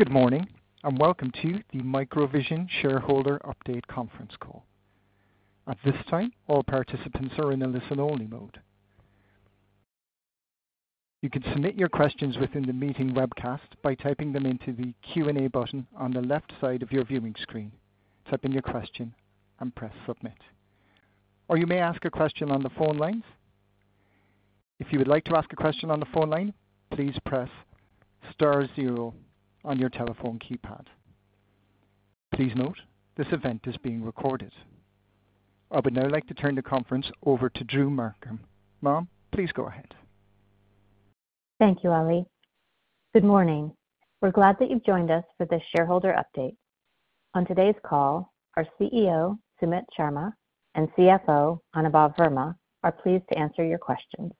Good morning, and welcome to the MicroVision Shareholder Update conference call. At this time, all participants are in a listen-only mode. You can submit your questions within the meeting webcast by typing them into the Q&A button on the left side of your viewing screen. Type in your question and press Submit, or you may ask a question on the phone lines. If you would like to ask a question on the phone line, please press star zero on your telephone keypad. Please note, this event is being recorded. I would now like to turn the conference over to Drew Markham. Ma'am, please go ahead. Thank you, Ali. Good morning. We're glad that you've joined us for this shareholder update. On today's call, our CEO, Sumit Sharma, and CFO, Anubhav Verma, are pleased to answer your questions.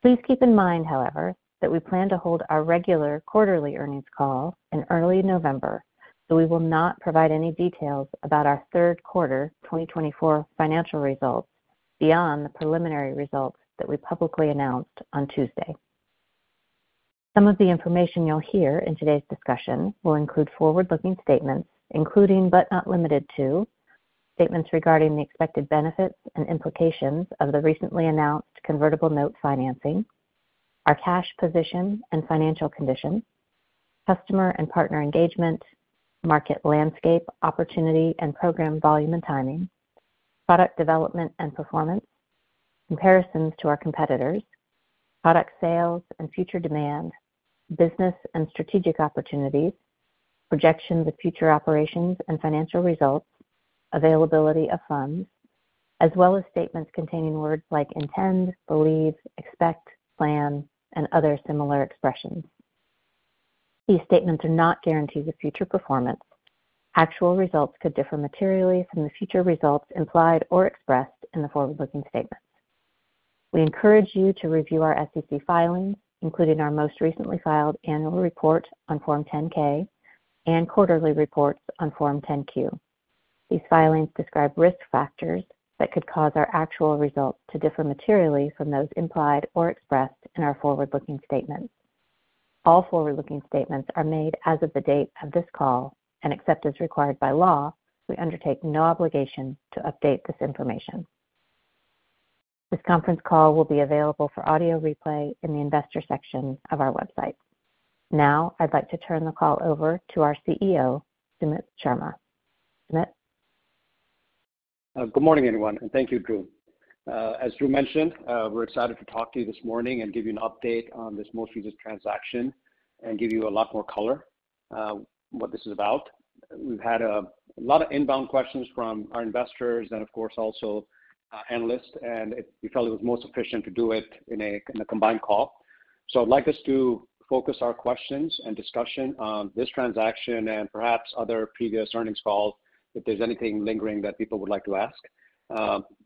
Please keep in mind, however, that we plan to hold our regular quarterly earnings call in early November, so we will not provide any details about our third quarter twenty twenty-four financial results beyond the preliminary results that we publicly announced on Tuesday. Some of the information you'll hear in today's discussion will include forward-looking statements, including, but not limited to, statements regarding the expected benefits and implications of the recently announced convertible note financing, our cash position and financial condition, customer and partner engagement, market landscape, opportunity and program volume and timing, product development and performance, comparisons to our competitors, product sales and future demand, business and strategic opportunities, projections of future operations and financial results, availability of funds, as well as statements containing words like intend, believe, expect, plan, and other similar expressions. These statements are not guarantees of future performance. Actual results could differ materially from the future results implied or expressed in the forward-looking statement. We encourage you to review our SEC filings, including our most recently filed annual report on Form 10-K and quarterly reports on Form 10-Q. These filings describe risk factors that could cause our actual results to differ materially from those implied or expressed in our forward-looking statements. All forward-looking statements are made as of the date of this call, and except as required by law, we undertake no obligation to update this information. This conference call will be available for audio replay in the investor section of our website. Now, I'd like to turn the call over to our CEO, Sumit Sharma. Sumit? Good morning, everyone, and thank you, Drew. As Drew mentioned, we're excited to talk to you this morning and give you an update on this most recent transaction and give you a lot more color what this is about. We've had a lot of inbound questions from our investors and of course, also analysts, and it we felt it was most efficient to do it in a combined call. So I'd like us to focus our questions and discussion on this transaction and perhaps other previous earnings calls, if there's anything lingering that people would like to ask,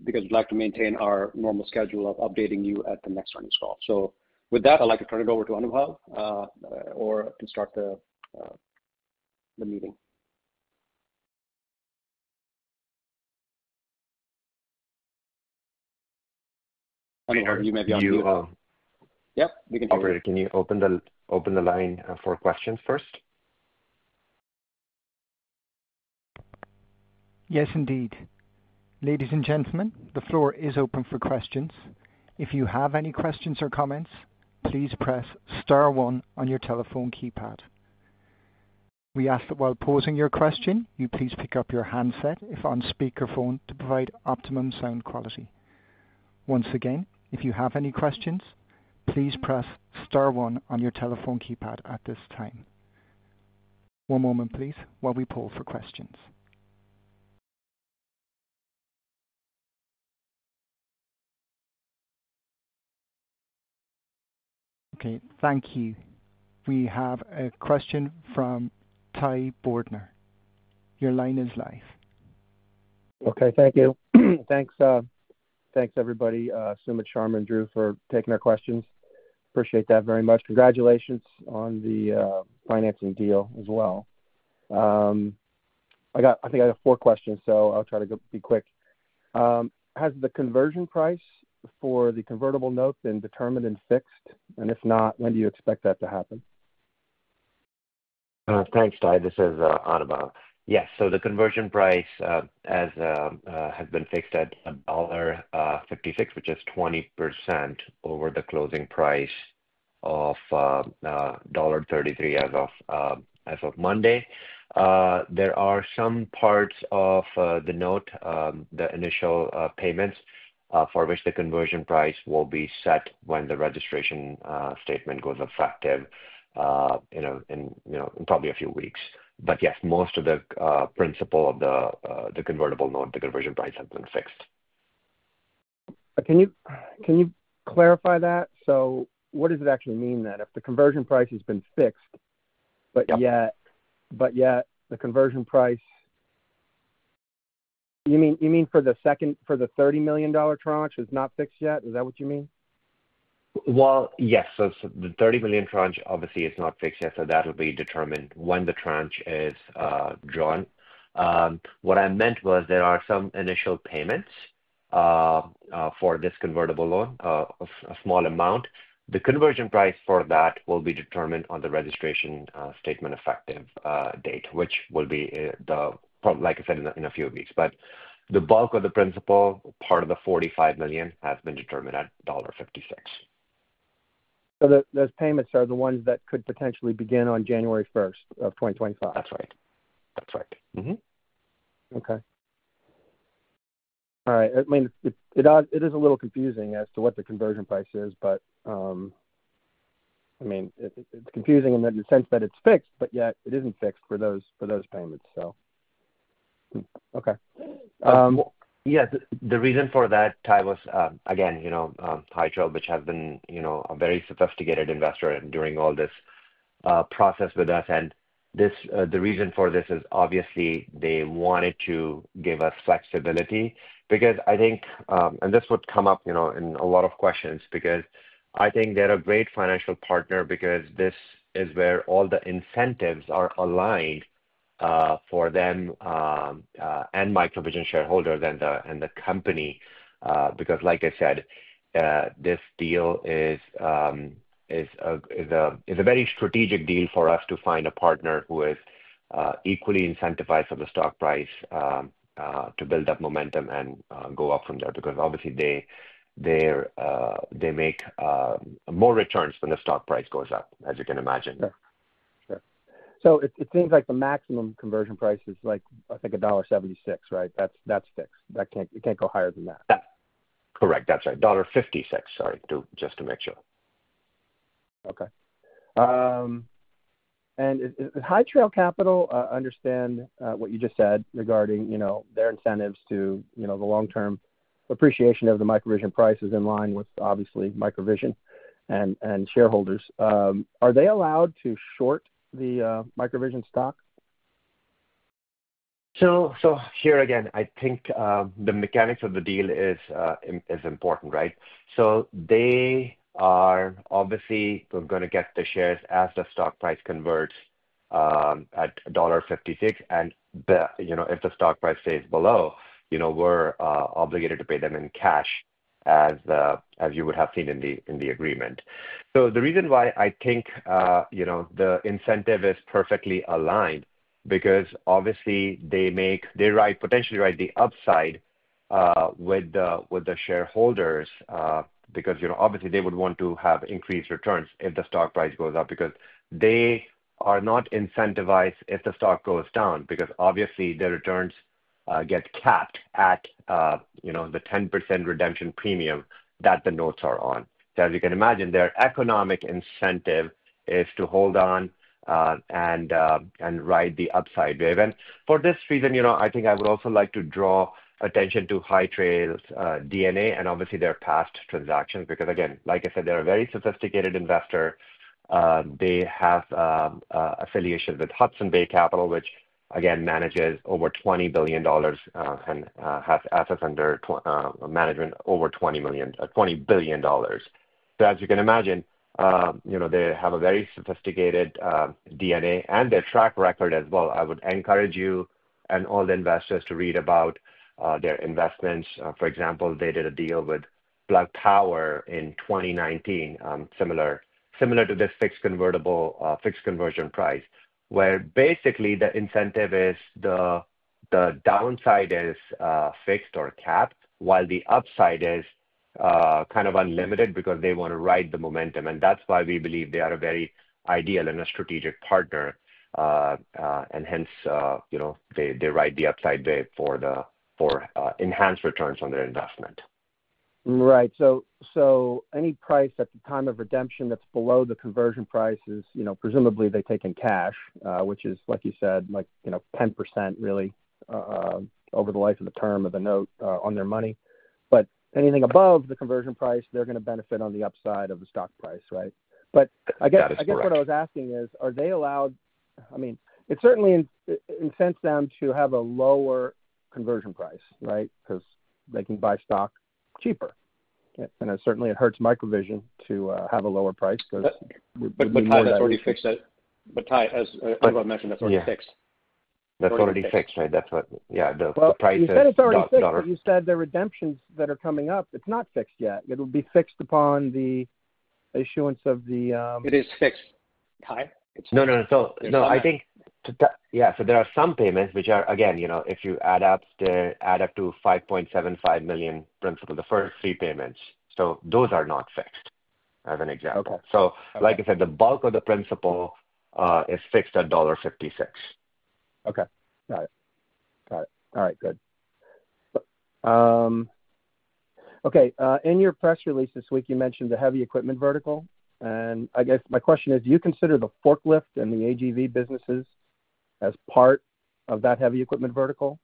because we'd like to maintain our normal schedule of updating you at the next earnings call. So with that, I'd like to turn it over to Anubhav or to start the meeting. Yep, we can. Operator, can you open the line for questions first? Yes, indeed. Ladies and gentlemen, the floor is open for questions. If you have any questions or comments, please press star one on your telephone keypad. We ask that while posing your question, you please pick up your handset, if on speakerphone, to provide optimum sound quality. Once again, if you have any questions, please press star one on your telephone keypad at this time. One moment, please, while we pull for questions. Okay, thank you. We have a question from Ty Bordner. Your line is live. Okay, thank you. Thanks, everybody, Sumit Sharma and Drew, for taking our questions. Appreciate that very much. Congratulations on the financing deal as well. I think I have four questions, so I'll try to go, be quick. Has the conversion price for the convertible note been determined and fixed? And if not, when do you expect that to happen? Thanks, Ty. This is Anubhav. Yes. So the conversion price as has been fixed at $1.56, which is 20% over the closing price of $1.33 as of Monday. There are some parts of the note, the initial payments, for which the conversion price will be set when the registration statement goes effective, you know, in probably a few weeks. But yes, most of the principal of the convertible note, the conversion price, have been fixed. Can you clarify that? So what does it actually mean then, if the conversion price has been fixed, but yet- Yep.... But yet the conversion price... You mean, you mean for the second, for the $30 million tranche is not fixed yet? Is that what you mean? Well, yes. So the 30 million tranche obviously is not fixed yet, so that will be determined when the tranche is drawn. What I meant was there are some initial payments for this convertible loan, a small amount. The conversion price for that will be determined on the registration statement effective date, which will be, like I said, in a few weeks. But the bulk of the principal, part of the 45 million, has been determined at $56. So those payments are the ones that could potentially begin on January first of twenty twenty-five? That's right. That's right. Okay. All right. I mean, it is a little confusing as to what the conversion price is, but, I mean, it's confusing in the sense that it's fixed, but yet it isn't fixed for those payments, so. Okay. Yes, the reason for that, Ty, was, again, you know, High Trail, which has been, you know, a very sophisticated investor during all this, process with us, and this, the reason for this is obviously they wanted to give us flexibility. Because I think, and this would come up, you know, in a lot of questions, because I think they're a great financial partner because this is where all the incentives are aligned, for them, and MicroVision shareholders and the, and the company, because like I said, this deal is a very strategic deal for us to find a partner who is, equally incentivized for the stock price, to build up momentum and, go up from there. Because obviously, they make more returns when the stock price goes up, as you can imagine. Sure. So it seems like the maximum conversion price is like, I think, $1.76, right? That's fixed. That can't. It can't go higher than that. Yeah. Correct. That's right. $56, sorry, to, just to make sure. Okay. And does High Trail Capital understand what you just said regarding, you know, their incentives to, you know, the long-term appreciation of the MicroVision prices in line with, obviously, MicroVision and shareholders? Are they allowed to short the MicroVision stock? So here again, I think the mechanics of the deal is important, right? So they are obviously going to get the shares as the stock price converts at $1.56. And, you know, if the stock price stays below, you know, we're obligated to pay them in cash, as you would have seen in the agreement. So the reason why I think, you know, the incentive is perfectly aligned, because obviously they make... They ride, potentially ride the upside with the shareholders, because, you know, obviously they would want to have increased returns if the stock price goes up. Because they are not incentivized if the stock goes down, because obviously their returns get capped at, you know, the 10% redemption premium that the notes are on. So as you can imagine, their economic incentive is to hold on and ride the upside wave. And for this reason, you know, I think I would also like to draw attention to High Trail Capital's DNA and obviously their past transactions, because again, like I said, they're a very sophisticated investor. They have a affiliation with Hudson Bay Capital, which again, manages over $20 billion, and has assets under management over $20 billion. So as you can imagine, you know, they have a very sophisticated DNA and a track record as well. I would encourage you and all the investors to read about their investments. For example, they did a deal with Plug Power in 2019, similar to this fixed convertible, fixed conversion price, where basically the incentive is the, the downside is, fixed or capped, while the upside is, kind of unlimited because they want to ride the momentum. And that's why we believe they are a very ideal and a strategic partner, and hence, you know, they, they ride the upside wave for the, for, enhanced returns on their investment. Right. So any price at the time of redemption that's below the conversion price is, you know, presumably they take in cash, which is, like you said, like, you know, 10% really, over the life of the term of the note, on their money. But anything above the conversion price, they're gonna benefit on the upside of the stock price, right? That is correct. But I guess what I was asking is: Are they allowed... I mean, it certainly incentivizes them to have a lower conversion price, right? Because they can buy stock cheaper. And it certainly hurts MicroVision to have a lower price because- But Ty, as everyone mentioned, that's already fixed. That's already fixed, right? That's what... Yeah, the price is- You said it's already fixed, but you said the redemptions that are coming up, it's not fixed yet. It'll be fixed upon the issuance of the, It is fixed, Ty. No, no, no. So, no, I think. Yeah, so there are some payments which are, again, you know, if you add up to $5.75 million principal, the first three payments, so those are not fixed, as an example. Okay. So like I said, the bulk of the principal is fixed at $56. Okay. Got it. Got it. All right, good. But, okay, in your press release this week, you mentioned the heavy equipment vertical, and I guess my question is: Do you consider the forklift and the AGV businesses as part of that heavy equipment vertical?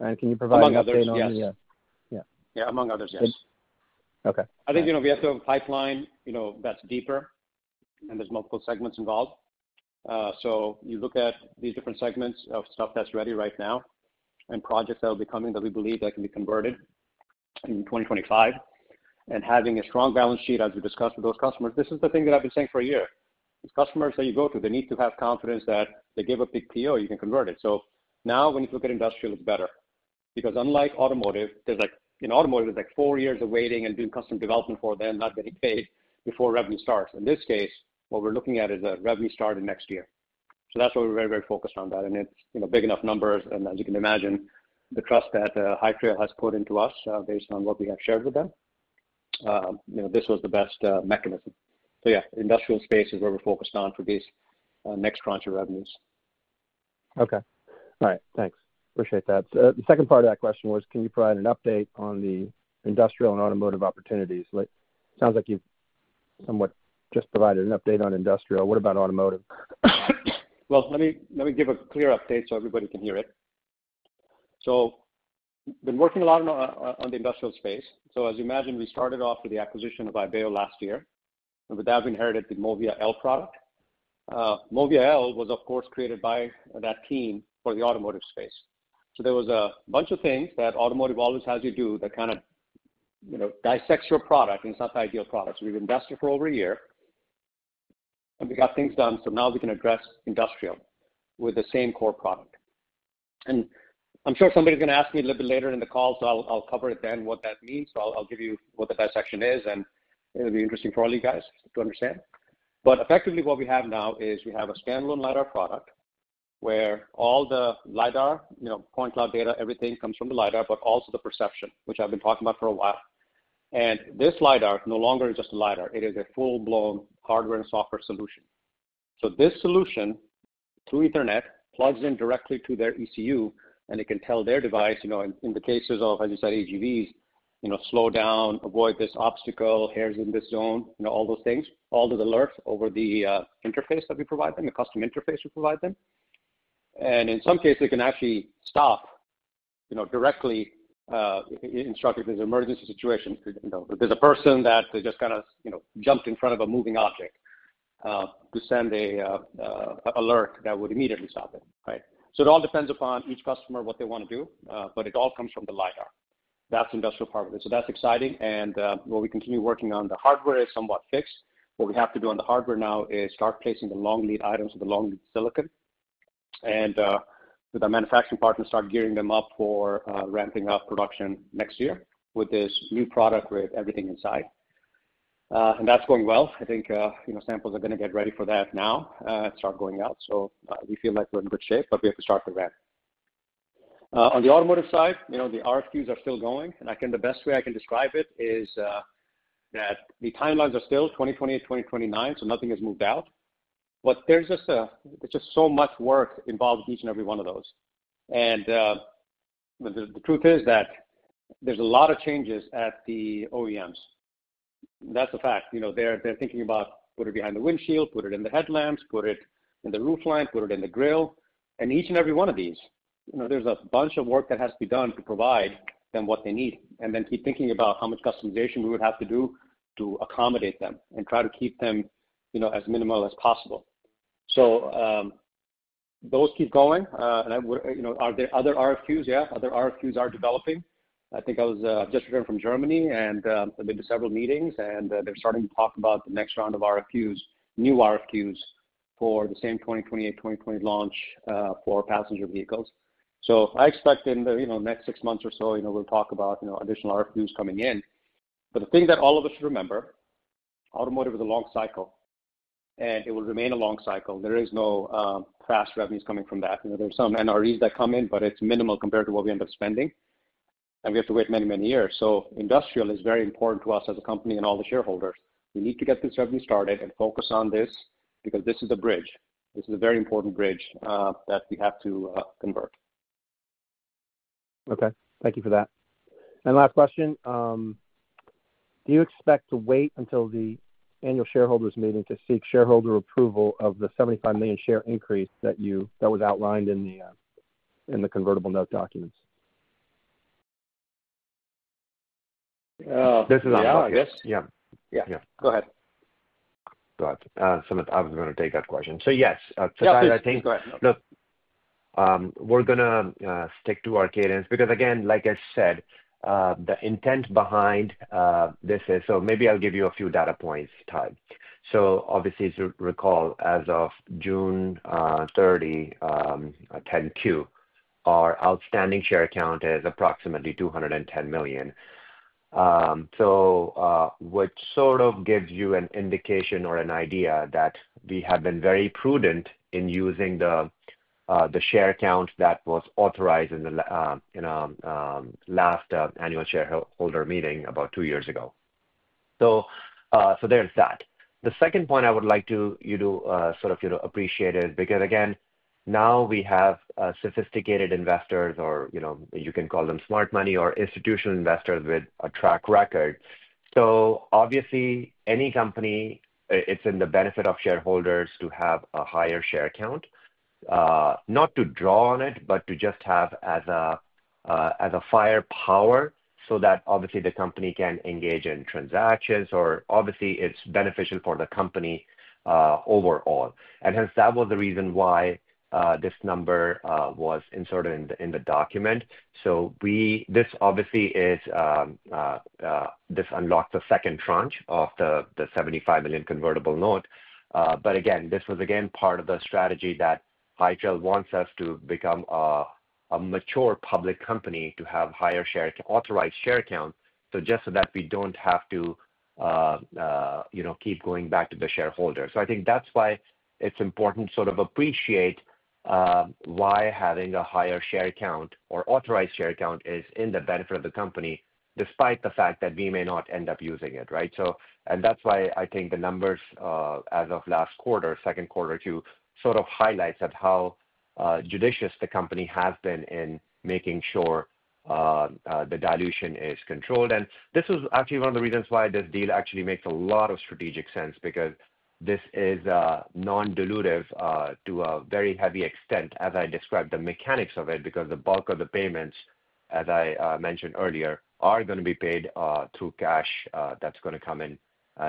And can you provide an update on the- Among others, yes. Yeah. Yeah, among others, yes. Okay. I think, you know, we have to have a pipeline, you know, that's deeper and there's multiple segments involved. So you look at these different segments of stuff that's ready right now and projects that will be coming that we believe that can be converted in twenty twenty-five. And having a strong balance sheet, as we discussed with those customers, this is the thing that I've been saying for a year. The customers that you go to, they need to have confidence that they give a big PO, you can convert it. So now when you look at industrial, it's better. Because unlike automotive, there's like, in automotive, it's like four years of waiting and doing custom development for them, not getting paid before revenue starts. In this case, what we're looking at is a revenue start in next year. So that's why we're very, very focused on that, and it's, you know, big enough numbers. And as you can imagine, the trust that High Trail has put into us, based on what we have shared with them, you know, this was the best mechanism. So yeah, industrial space is where we're focused on for these next crunch of revenues. Okay. All right, thanks. Appreciate that. So the second part of that question was, can you provide an update on the industrial and automotive opportunities? Like, sounds like you've somewhat just provided an update on industrial. What about automotive? Let me give a clear update so everybody can hear it. Been working a lot on the industrial space. As you imagine, we started off with the acquisition of Ibeo last year, and with that, we inherited the MOVIA L product. MOVIA L was, of course, created by that team for the automotive space. There was a bunch of things that automotive always has you do that kind of, you know, dissects your product, and it's not ideal products. We've invested for over a year, and we got things done, so now we can address industrial with the same core product. I'm sure somebody's gonna ask me a little bit later in the call, so I'll cover it then, what that means. So I'll, I'll give you what the dissection is, and it'll be interesting for all you guys to understand. But effectively, what we have now is we have a standalone LiDAR product, where all the LiDAR, you know, point cloud data, everything comes from the LiDAR, but also the perception, which I've been talking about for a while. And this LiDAR no longer is just a LiDAR. It is a full-blown hardware and software solution. So this solution, through Ethernet, plugs in directly to their ECU, and it can tell their device, you know, in, in the cases of, as you said, AGVs, you know, slow down, avoid this obstacle, here's in this zone, you know, all those things, all of the alerts over the interface that we provide them, the custom interface we provide them. In some cases, they can actually stop, you know, directly instruct if there's an emergency situation, you know, if there's a person that just kind of, you know, jumped in front of a moving object to send an alert that would immediately stop it, right? It all depends upon each customer, what they wanna do, but it all comes from the LiDAR. That's the industrial part of it. That's exciting, and while we continue working on the hardware is somewhat fixed. What we have to do on the hardware now is start placing the long lead items with the long lead silicon and with our manufacturing partners, start gearing them up for ramping up production next year with this new product with everything inside, and that's going well. I think, you know, samples are gonna get ready for that now, and start going out, so we feel like we're in good shape, but we have to start the ramp. On the automotive side, you know, the RFQs are still going, and the best way I can describe it is that the timelines are still 2020 to 2029, so nothing has moved out. But there's just so much work involved in each and every one of those. The truth is that there's a lot of changes at the OEMs. That's a fact. You know, they're thinking about put it behind the windshield, put it in the headlamps, put it in the roof line, put it in the grille. Each and every one of these, you know, there's a bunch of work that has to be done to provide them what they need, and then keep thinking about how much customization we would have to do to accommodate them and try to keep them, you know, as minimal as possible. Those keep going, and, you know, are there other RFQs? Yeah, other RFQs are developing. I think I just returned from Germany, and I've been to several meetings, and they're starting to talk about the next round of RFQs, new RFQs, for the same 2020 and 2021 launch for passenger vehicles. I expect in the next six months or so, you know, we'll talk about additional RFQs coming in. But the thing that all of us should remember, automotive is a long cycle, and it will remain a long cycle. There is no fast revenues coming from that. You know, there's some NREs that come in, but it's minimal compared to what we end up spending, and we have to wait many, many years. So industrial is very important to us as a company and all the shareholders. We need to get this revenue started and focus on this because this is a bridge. This is a very important bridge that we have to convert. Okay, thank you for that. And last question, do you expect to wait until the annual shareholders meeting to seek shareholder approval of the seventy-five million share increase that was outlined in the convertible note documents? This is on- Yeah. Yes. Yeah. Yeah. Go ahead. Go ahead. Sumit, I was gonna take that question. So yes, so I think- Go ahead. Look, we're gonna stick to our cadence because again, like I said, the intent behind this is. So maybe I'll give you a few data points, Ty. So obviously, as you recall, as of June thirty, 10-Q, our outstanding share count is approximately 210 million. So, which sort of gives you an indication or an idea that we have been very prudent in using the share count that was authorized in the last annual shareholder meeting about two years ago. So, so there's that. The second point I would like you to sort of, you know, appreciate it, because again, now we have sophisticated investors or, you know, you can call them smart money or institutional investors with a track record. So obviously, any company, it's in the benefit of shareholders to have a higher share count, not to draw on it, but to just have as a-... as a firepower, so that obviously the company can engage in transactions or obviously it's beneficial for the company, overall. And hence, that was the reason why, this number, was inserted in the, in the document. So this obviously is, this unlocks the second tranche of the, the $75 million convertible note. But again, this was again, part of the strategy that High Trail wants us to become a, a mature public company, to have higher share, to authorize share count, so just so that we don't have to, you know, keep going back to the shareholders. So I think that's why it's important, sort of, appreciate, why having a higher share count or authorized share count is in the benefit of the company, despite the fact that we may not end up using it, right? That's why I think the numbers as of last quarter, second quarter, two sort of highlights of how judicious the company has been in making sure the dilution is controlled. And this is actually one of the reasons why this deal actually makes a lot of strategic sense, because this is non-dilutive to a very heavy extent, as I described the mechanics of it, because the bulk of the payments, as I mentioned earlier, are gonna be paid through cash that's gonna come in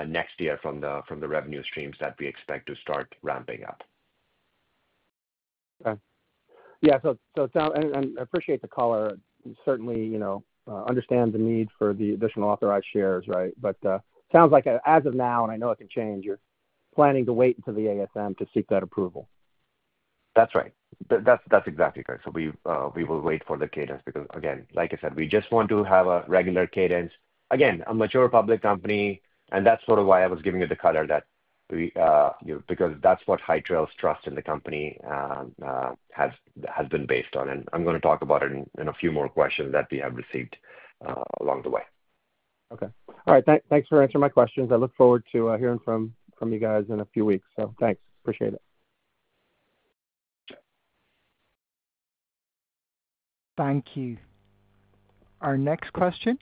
next year from the revenue streams that we expect to start ramping up. Okay. Yeah, so and I appreciate the color, and certainly, you know, understand the need for the additional authorized shares, right? But, sounds like as of now, and I know it can change, you're planning to wait until the ASM to seek that approval. That's right. That's, that's exactly correct. So we, we will wait for the cadence because again, like I said, we just want to have a regular cadence. Again, a mature public company, and that's sort of why I was giving you the color that we, you know, because that's what High Trail's trust in the company, has been based on, and I'm gonna talk about it in, in a few more questions that we have received, along the way. Okay. All right. Thanks for answering my questions. I look forward to hearing from you guys in a few weeks. So thanks. Appreciate it. Thank you. Our next question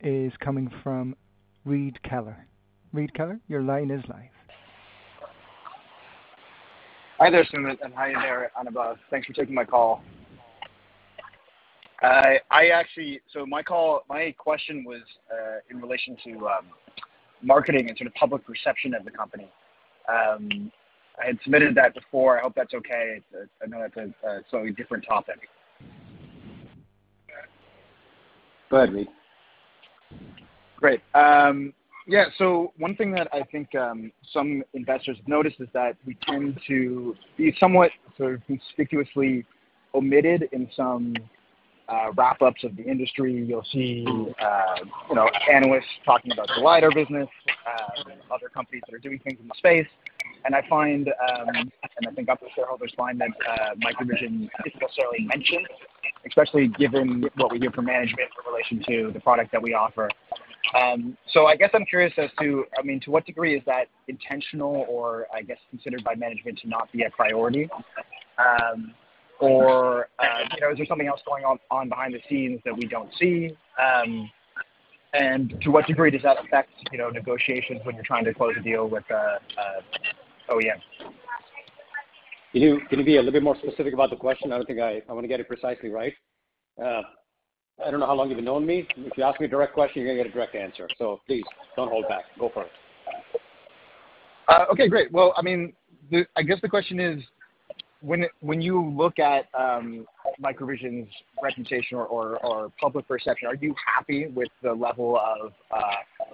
is coming from Reed Keller. Reed Keller, your line is live. Hi there, Sumit, and hi there, Anubhav. Thanks for taking my call. I actually so my call, my question was in relation to marketing and sort of public perception of the company. I had submitted that before. I hope that's okay. I know it's a, it's a different topic. Go ahead, Reed. Great. Yeah, so one thing that I think some investors have noticed is that we tend to be somewhat sort of conspicuously omitted in some wrap-ups of the industry. You'll see you know, analysts talking about the LiDAR business, other companies that are doing things in the space. And I find and I think other shareholders find that MicroVision isn't necessarily mentioned, especially given what we hear from management in relation to the product that we offer. So I guess I'm curious as to I mean, to what degree is that intentional or I guess considered by management to not be a priority? Or you know, is there something else going on behind the scenes that we don't see? To what degree does that affect, you know, negotiations when you're trying to close a deal with OEM? Can you be a little bit more specific about the question? I don't think I want to get it precisely right. I don't know how long you've known me. If you ask me a direct question, you're gonna get a direct answer. So please, don't hold back. Go for it. Okay, great. I mean, I guess the question is, when you look at MicroVision's reputation or public perception, are you happy with the level of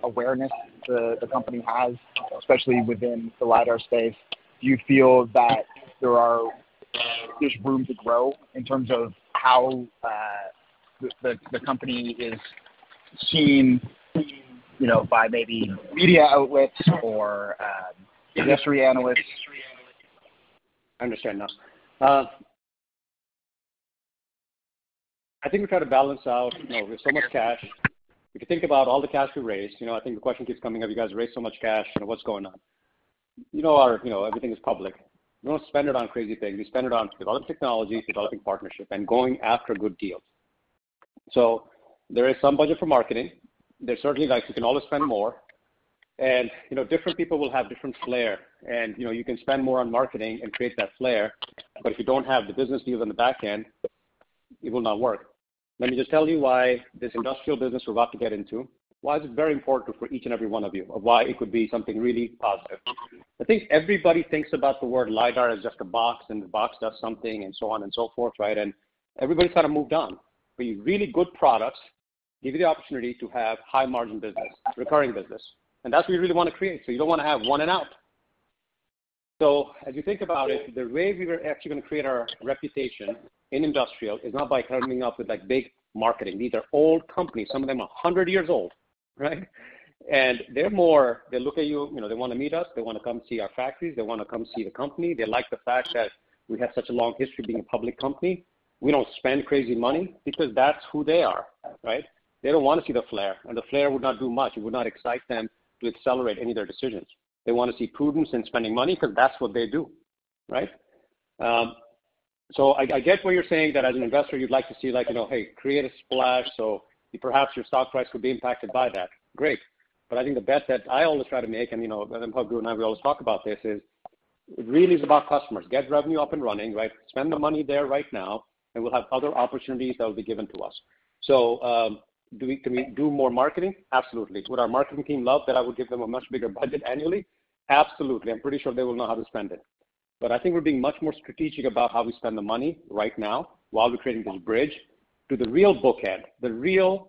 awareness the company has, especially within the LiDAR space? Do you feel that there's room to grow in terms of how the company is seen, you know, by maybe media outlets or industry analysts? I understand now. I think we try to balance out, you know, with so much cash. If you think about all the cash we raised, you know, I think the question keeps coming up, you guys raised so much cash, what's going on? You know, everything is public. We don't spend it on crazy things. We spend it on developing technologies, developing partnerships, and going after good deals. So there is some budget for marketing. There's certainly like, you can always spend more, and, you know, different people will have different flair, and, you know, you can spend more on marketing and create that flair, but if you don't have the business deals on the back end, it will not work. Let me just tell you why this industrial business we're about to get into, why is it very important for each and every one of you, or why it could be something really positive. I think everybody thinks about the word LiDAR as just a box, and the box does something and so on and so forth, right, and everybody kind of moved on. But really good products give you the opportunity to have high-margin business, recurring business, and that's what you really want to create. So you don't want to have one and out. So as you think about it, the way we were actually going to create our reputation in industrial is not by coming up with, like, big marketing. These are old companies. Some of them are 100 years old, right? And they're more. They look at you, you know, they want to meet us. They want to come see our factories. They want to come see the company. They like the fact that we have such a long history of being a public company. We don't spend crazy money because that's who they are, right? They don't want to see the flair, and the flair would not do much. It would not excite them to accelerate any of their decisions. They want to see prudence in spending money because that's what they do, right? So I get what you're saying, that as an investor, you'd like to see like, you know, hey, create a splash, so perhaps your stock price could be impacted by that. Great. But I think the best that I always try to make, and you know, Anubhav and I, we always talk about this is it really is about customers. Get revenue up and running, right? Spend the money there right now, and we'll have other opportunities that will be given to us. So, can we do more marketing? Absolutely. Would our marketing team love that I would give them a much bigger budget annually? Absolutely. I'm pretty sure they will know how to spend it. But I think we're being much more strategic about how we spend the money right now while we're creating this bridge to the real bookend, the real,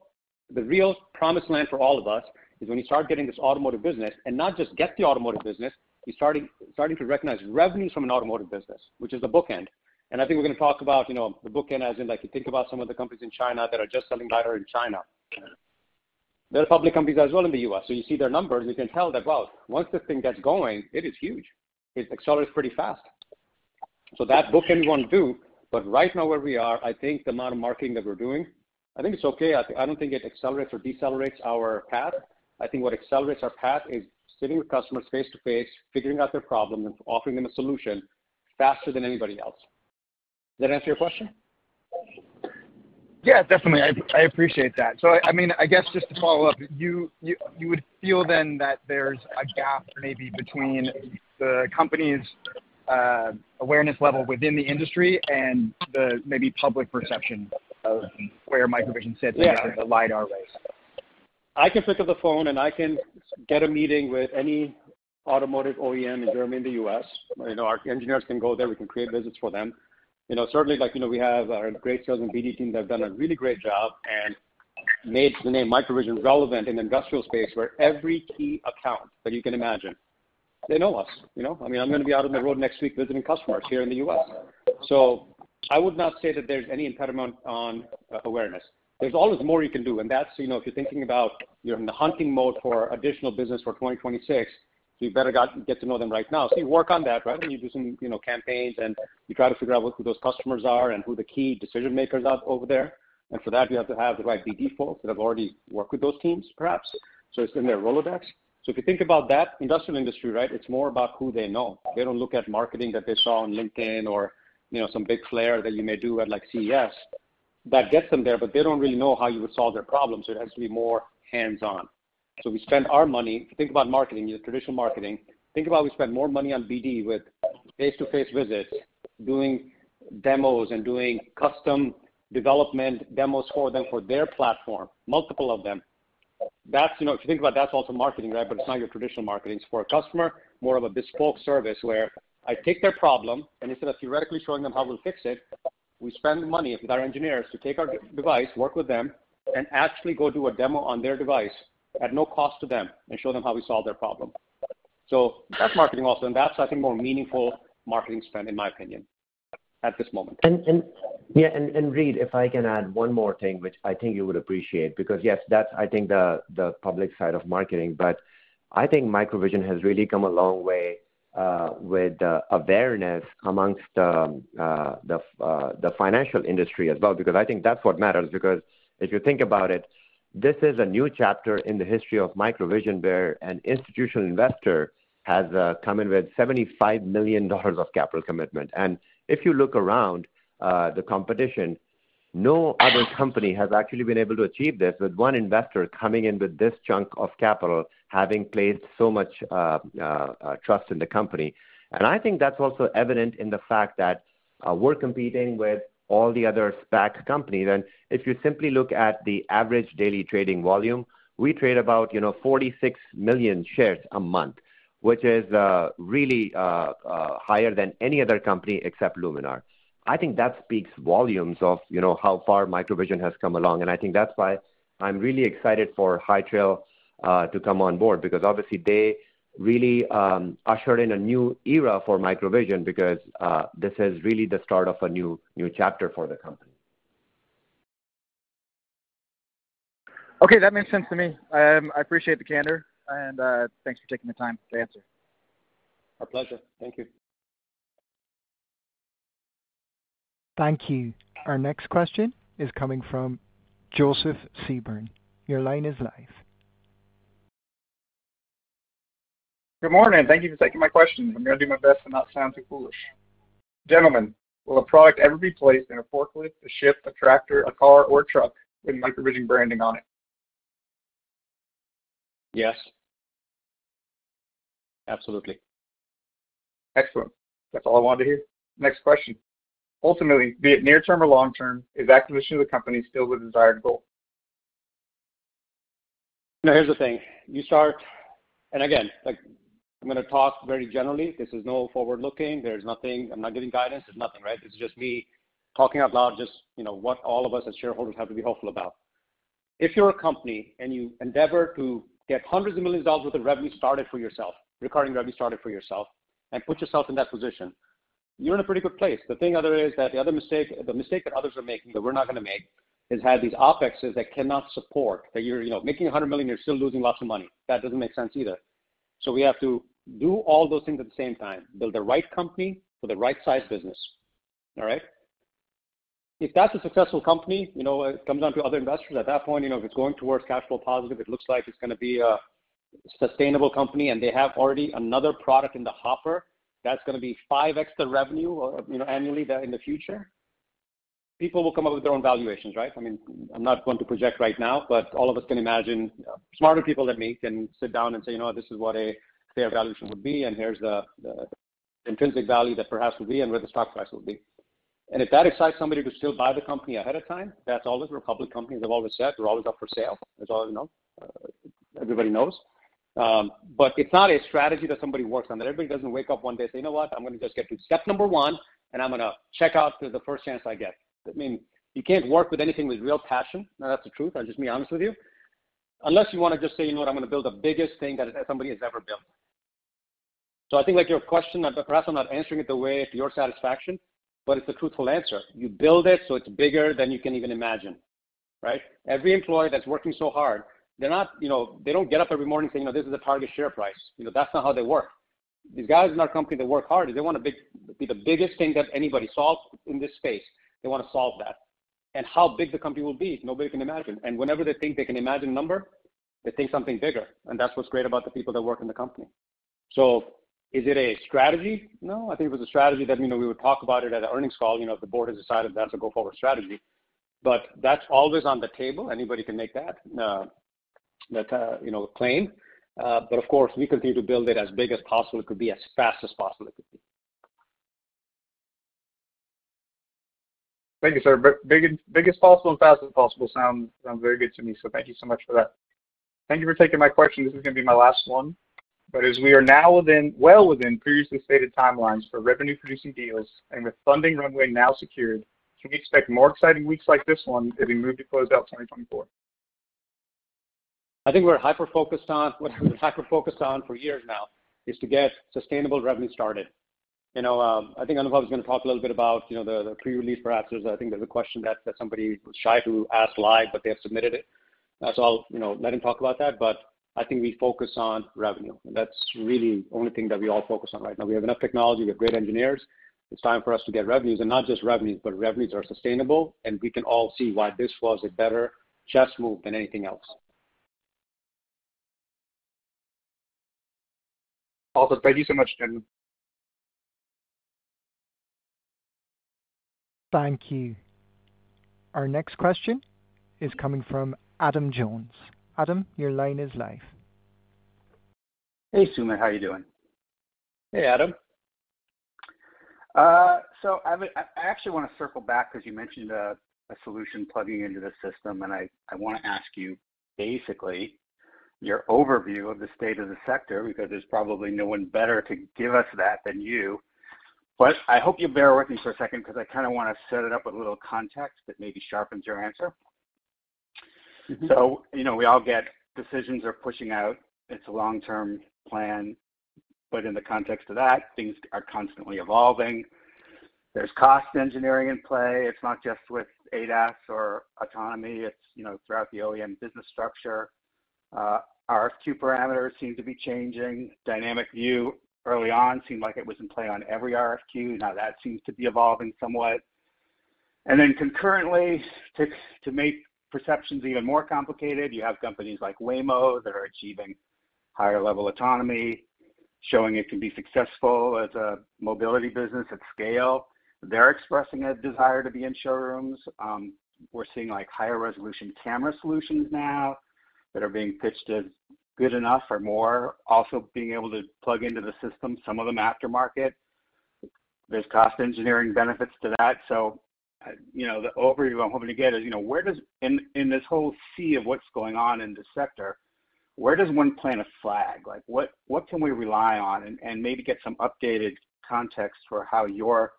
the real promised land for all of us, is when you start getting this automotive business and not just get the automotive business, you're starting to recognize revenue from an automotive business, which is the bookend. And I think we're gonna talk about, you know, the bookend, as in, like, you think about some of the companies in China that are just selling LiDAR in China. They're public companies as well in the U.S., so you see their numbers, you can tell that, wow, once this thing gets going, it is huge. It accelerates pretty fast. So that bookend we wanna do, but right now where we are, I think the amount of marketing that we're doing, I think it's okay. I, I don't think it accelerates or decelerates our path. I think what accelerates our path is sitting with customers face-to-face, figuring out their problem, and offering them a solution faster than anybody else. Does that answer your question? Yeah, definitely. I appreciate that. So, I mean, I guess just to follow up, you would feel then that there's a gap maybe between the company's awareness level within the industry and the maybe public perception of where MicroVision sits in- Yeah the LiDAR race? I can pick up the phone, and I can get a meeting with any automotive OEM in Germany, in the US. You know, our engineers can go there, we can create visits for them. You know, certainly, like, you know, we have our great sales and BD team that have done a really great job and made the name MicroVision relevant in the industrial space, where every key account that you can imagine, they know us, you know? I mean, I'm gonna be out on the road next week visiting customers here in the US. So I would not say that there's any impediment on awareness. There's always more you can do, and that's, you know, if you're thinking about you're in the hunting mode for additional business for 2026, so you better get to know them right now. So you work on that, right? And you do some, you know, campaigns, and you try to figure out who those customers are and who the key decision makers are over there. And for that, you have to have the right BD folks that have already worked with those teams, perhaps, so it's in their Rolodex. So if you think about that industrial industry, right, it's more about who they know. They don't look at marketing that they saw on LinkedIn or, you know, some big flair that you may do at, like, CES. That gets them there, but they don't really know how you would solve their problems, so it has to be more hands-on. So we spend our money. If you think about marketing, your traditional marketing, think about we spend more money on BD with face-to-face visits, doing demos, and doing custom development demos for them, for their platform, multiple of them. That's, you know, if you think about it, that's also marketing, right? But it's not your traditional marketing. It's for a customer, more of a bespoke service, where I take their problem, and instead of theoretically showing them how we'll fix it, we spend the money with our engineers to take our device, work with them, and actually go do a demo on their device at no cost to them and show them how we solve their problem. So that's marketing also, and that's, I think, more meaningful marketing spend, in my opinion, at this moment. Reed, if I can add one more thing, which I think you would appreciate, because, yes, that's, I think, the, the public side of marketing. But I think MicroVision has really come a long way, with the awareness amongst the, the financial industry as well, because I think that's what matters. Because if you think about it, this is a new chapter in the history of MicroVision, where an institutional investor has come in with $75 million of capital commitment. And if you look around, the competition, no other company has actually been able to achieve this, with one investor coming in with this chunk of capital, having placed so much trust in the company. And I think that's also evident in the fact that we're competing with all the other SPAC companies. And if you simply look at the average daily trading volume, we trade about, you know, 46 million shares a month, which is really higher than any other company except Luminar. I think that speaks volumes of, you know, how far MicroVision has come along, and I think that's why I'm really excited for High Trail to come on board. Because obviously they really ushered in a new era for MicroVision because this is really the start of a new chapter for the company. Okay, that makes sense to me. I appreciate the candor, and thanks for taking the time to answer. Our pleasure. Thank you. Thank you. Our next question is coming from Joseph Seaborn. Your line is live. Good morning. Thank you for taking my question. I'm gonna do my best to not sound too foolish. Gentlemen, will a product ever be placed in a forklift, a ship, a tractor, a car or truck with MicroVision branding on it? Yes. Absolutely. Excellent. That's all I wanted to hear. Next question: Ultimately, be it near term or long term, is acquisition of the company still the desired goal? Now, here's the thing. You start, and again, like, I'm gonna talk very generally. This is not forward-looking. There's nothing. I'm not giving guidance. There's nothing, right? This is just me talking out loud, just, you know, what all of us as shareholders have to be hopeful about. If you're a company, and you endeavor to get hundreds of millions of dollars worth of revenue started for yourself, recurring revenue started for yourself, and put yourself in that position, you're in a pretty good place. The thing, however, is that the other mistake, the mistake that others are making, that we're not gonna make, is have these OpExes that cannot support, that you're, you know, making 100 million, you're still losing lots of money. That doesn't make sense either. So we have to do all those things at the same time, build the right company for the right size business. All right? If that's a successful company, you know, it comes down to other investors. At that point, you know, if it's going towards cash flow positive, it looks like it's gonna be a sustainable company, and they have already another product in the hopper that's gonna be five extra revenue or, you know, annually there in the future, people will come up with their own valuations, right? I mean, I'm not going to project right now, but all of us can imagine, smarter people than me can sit down and say, "You know what? This is what a fair valuation would be, and here's the intrinsic value that perhaps will be and where the stock price will be." And if that excites somebody to still buy the company ahead of time, that's always. We're public companies, I've always said we're always up for sale. That's all I know, everybody knows. But it's not a strategy that somebody works on. That everybody doesn't wake up one day and say, "You know what? I'm gonna just get to step number one, and I'm gonna check out to the first chance I get." I mean, you can't work with anything with real passion. Now, that's the truth. I'm just being honest with you. Unless you wanna just say, "You know what? I'm gonna build the biggest thing that, that somebody has ever built." So I think, like, your question, perhaps I'm not answering it the way to your satisfaction, but it's the truthful answer. You build it so it's bigger than you can even imagine, right? Every employee that's working so hard, they're not, you know, they don't get up every morning saying, "Oh, this is the target share price." You know, that's not how they work. These guys in our company, they work hard, they want a big- be the biggest thing that anybody solves in this space. They wanna solve that. And how big the company will be, nobody can imagine. And whenever they think they can imagine a number, they think something bigger, and that's what's great about the people that work in the company. So is it a strategy? No, I think if it was a strategy, then, you know, we would talk about it at an earnings call, you know, if the board has decided that's a go-forward strategy. But that's always on the table. Anybody can make that claim. But of course, we continue to build it as big as possible. It could be as fast as possible, it could be. Thank you, sir. Big, big as possible and fast as possible sound very good to me, so thank you so much for that. Thank you for taking my question. This is gonna be my last one, but as we are now within, well within previously stated timelines for revenue producing deals and with funding runway now secured, can we expect more exciting weeks like this one as we move to close out twenty twenty-four? I think we're hyper-focused on what we've been hyper-focused on for years now is to get sustainable revenue started. You know, I think Anubhav is gonna talk a little bit about, you know, the pre-release, perhaps. I think there's a question that somebody was shy to ask live, but they have submitted it. So I'll, you know, let him talk about that, but I think we focus on revenue, and that's really the only thing that we all focus on right now. We have enough technology, we have great engineers. It's time for us to get revenues, and not just revenues, but revenues are sustainable, and we can all see why this was a better chess move than anything else. Awesome. Thank you so much, gentlemen. Thank you. Our next question is coming from Adam Jones. Adam, your line is live. Hey, Sumit, how are you doing? Hey, Adam. So I actually wanna circle back because you mentioned a solution plugging into the system, and I wanna ask you, basically, your overview of the state of the sector, because there's probably no one better to give us that than you. But I hope you'll bear with me for a second, because I kinda wanna set it up with a little context that maybe sharpens your answer. You know, we all get decisions are pushing out. It's a long-term plan, but in the context of that, things are constantly evolving. There's cost engineering in play. It's not just with ADAS or autonomy, it's, you know, throughout the OEM business structure. RFQ parameters seem to be changing. Dynamic View, early on, seemed like it was in play on every RFQ, now that seems to be evolving somewhat. And then concurrently, to make perceptions even more complicated, you have companies like Waymo that are achieving higher level autonomy, showing it can be successful as a mobility business at scale. They're expressing a desire to be in showrooms. We're seeing, like, higher resolution camera solutions now that are being pitched as good enough or more, also being able to plug into the system, some of them aftermarket. There's cost engineering benefits to that. So, you know, the overview I'm hoping to get is, you know, where does... In this whole sea of what's going on in the sector, where does one plant a flag? Like, what can we rely on? And maybe get some updated context for how you're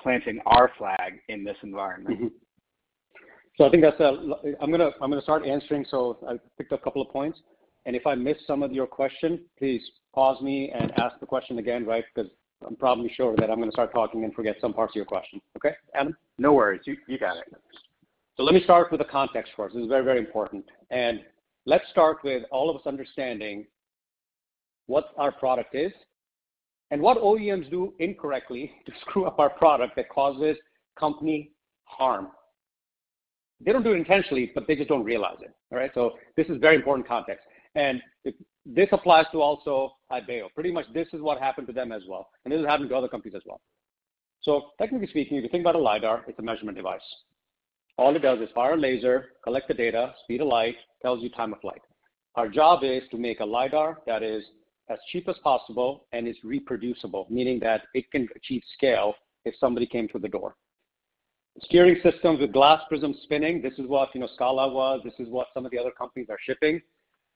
planting our flag in this environment. So I think that's a-- I'm gonna start answering, so I picked a couple of points, and if I miss some of your question, please pause me and ask the question again, right? Because I'm probably sure that I'm gonna start talking and forget some parts of your question. Okay, Adam? No worries. You got it. So let me start with the context first. This is very, very important. And let's start with all of us understanding what our product is and what OEMs do incorrectly to screw up our product that causes company harm. They don't do it intentionally, but they just don't realize it. All right? So this is very important context, and this applies to also Ibeo. Pretty much this is what happened to them as well, and this is happening to other companies as well. So technically speaking, if you think about a LiDAR, it's a measurement device. All it does is fire a laser, collect the data, speed of light, tells you time of flight. Our job is to make a LiDAR that is as cheap as possible and is reproducible, meaning that it can achieve scale if somebody came through the door. Steering systems with glass prisms spinning, this is what, you know, Scala was. This is what some of the other companies are shipping.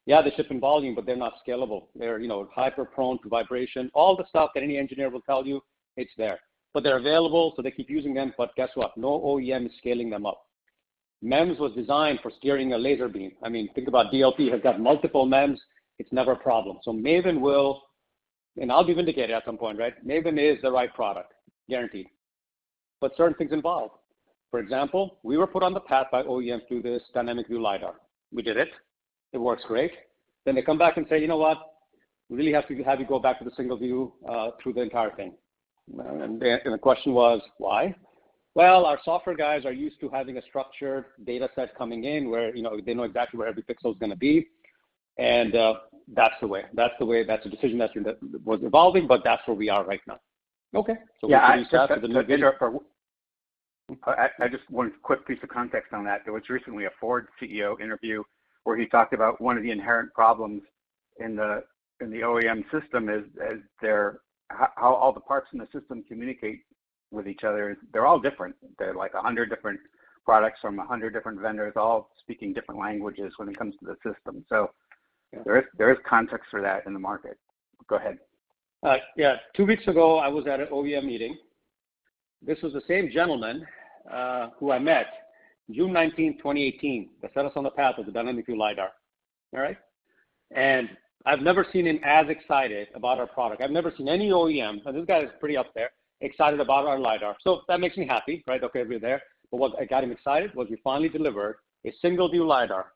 Yeah, they're shipping volume, but they're not scalable. They're, you know, hyper-prone to vibration. All the stuff that any engineer will tell you, it's there, but they're available, so they keep using them. But guess what? No OEM is scaling them up. MEMS was designed for steering a laser beam. I mean, think about DLP has got multiple MEMS. It's never a problem. So MAVIN will... And I'll be vindicated at some point, right? MAVIN is the right product, guaranteed, but certain things involved. For example, we were put on the path by OEMs through this dynamic view LiDAR. We did it. It works great. Then they come back and say, "You know what? We really have to have you go back to the single view, through the entire thing," and the question was, why? "Well, our software guys are used to having a structured data set coming in where, you know, they know exactly where every pixel is gonna be."... And that's the way, the decision that was evolving, but that's where we are right now. Okay. Yeah, I just- So we can start with the- I just want one quick piece of context on that. There was recently a Ford CEO interview where he talked about one of the inherent problems in the OEM system is how all the parts in the system communicate with each other. They're all different. They're like 100 different products from 100 different vendors, all speaking different languages when it comes to the system. So there is context for that in the market. Go ahead. Yeah. Two weeks ago, I was at an OEM meeting. This was the same gentleman who I met June nineteenth, 2018, that set us on the path of the dynamic view LiDAR. All right? And I've never seen him as excited about our product. I've never seen any OEM, and this guy is pretty up there, excited about our LiDAR. So that makes me happy, right? Okay, we're there. But what got him excited was we finally delivered a single-view LiDAR,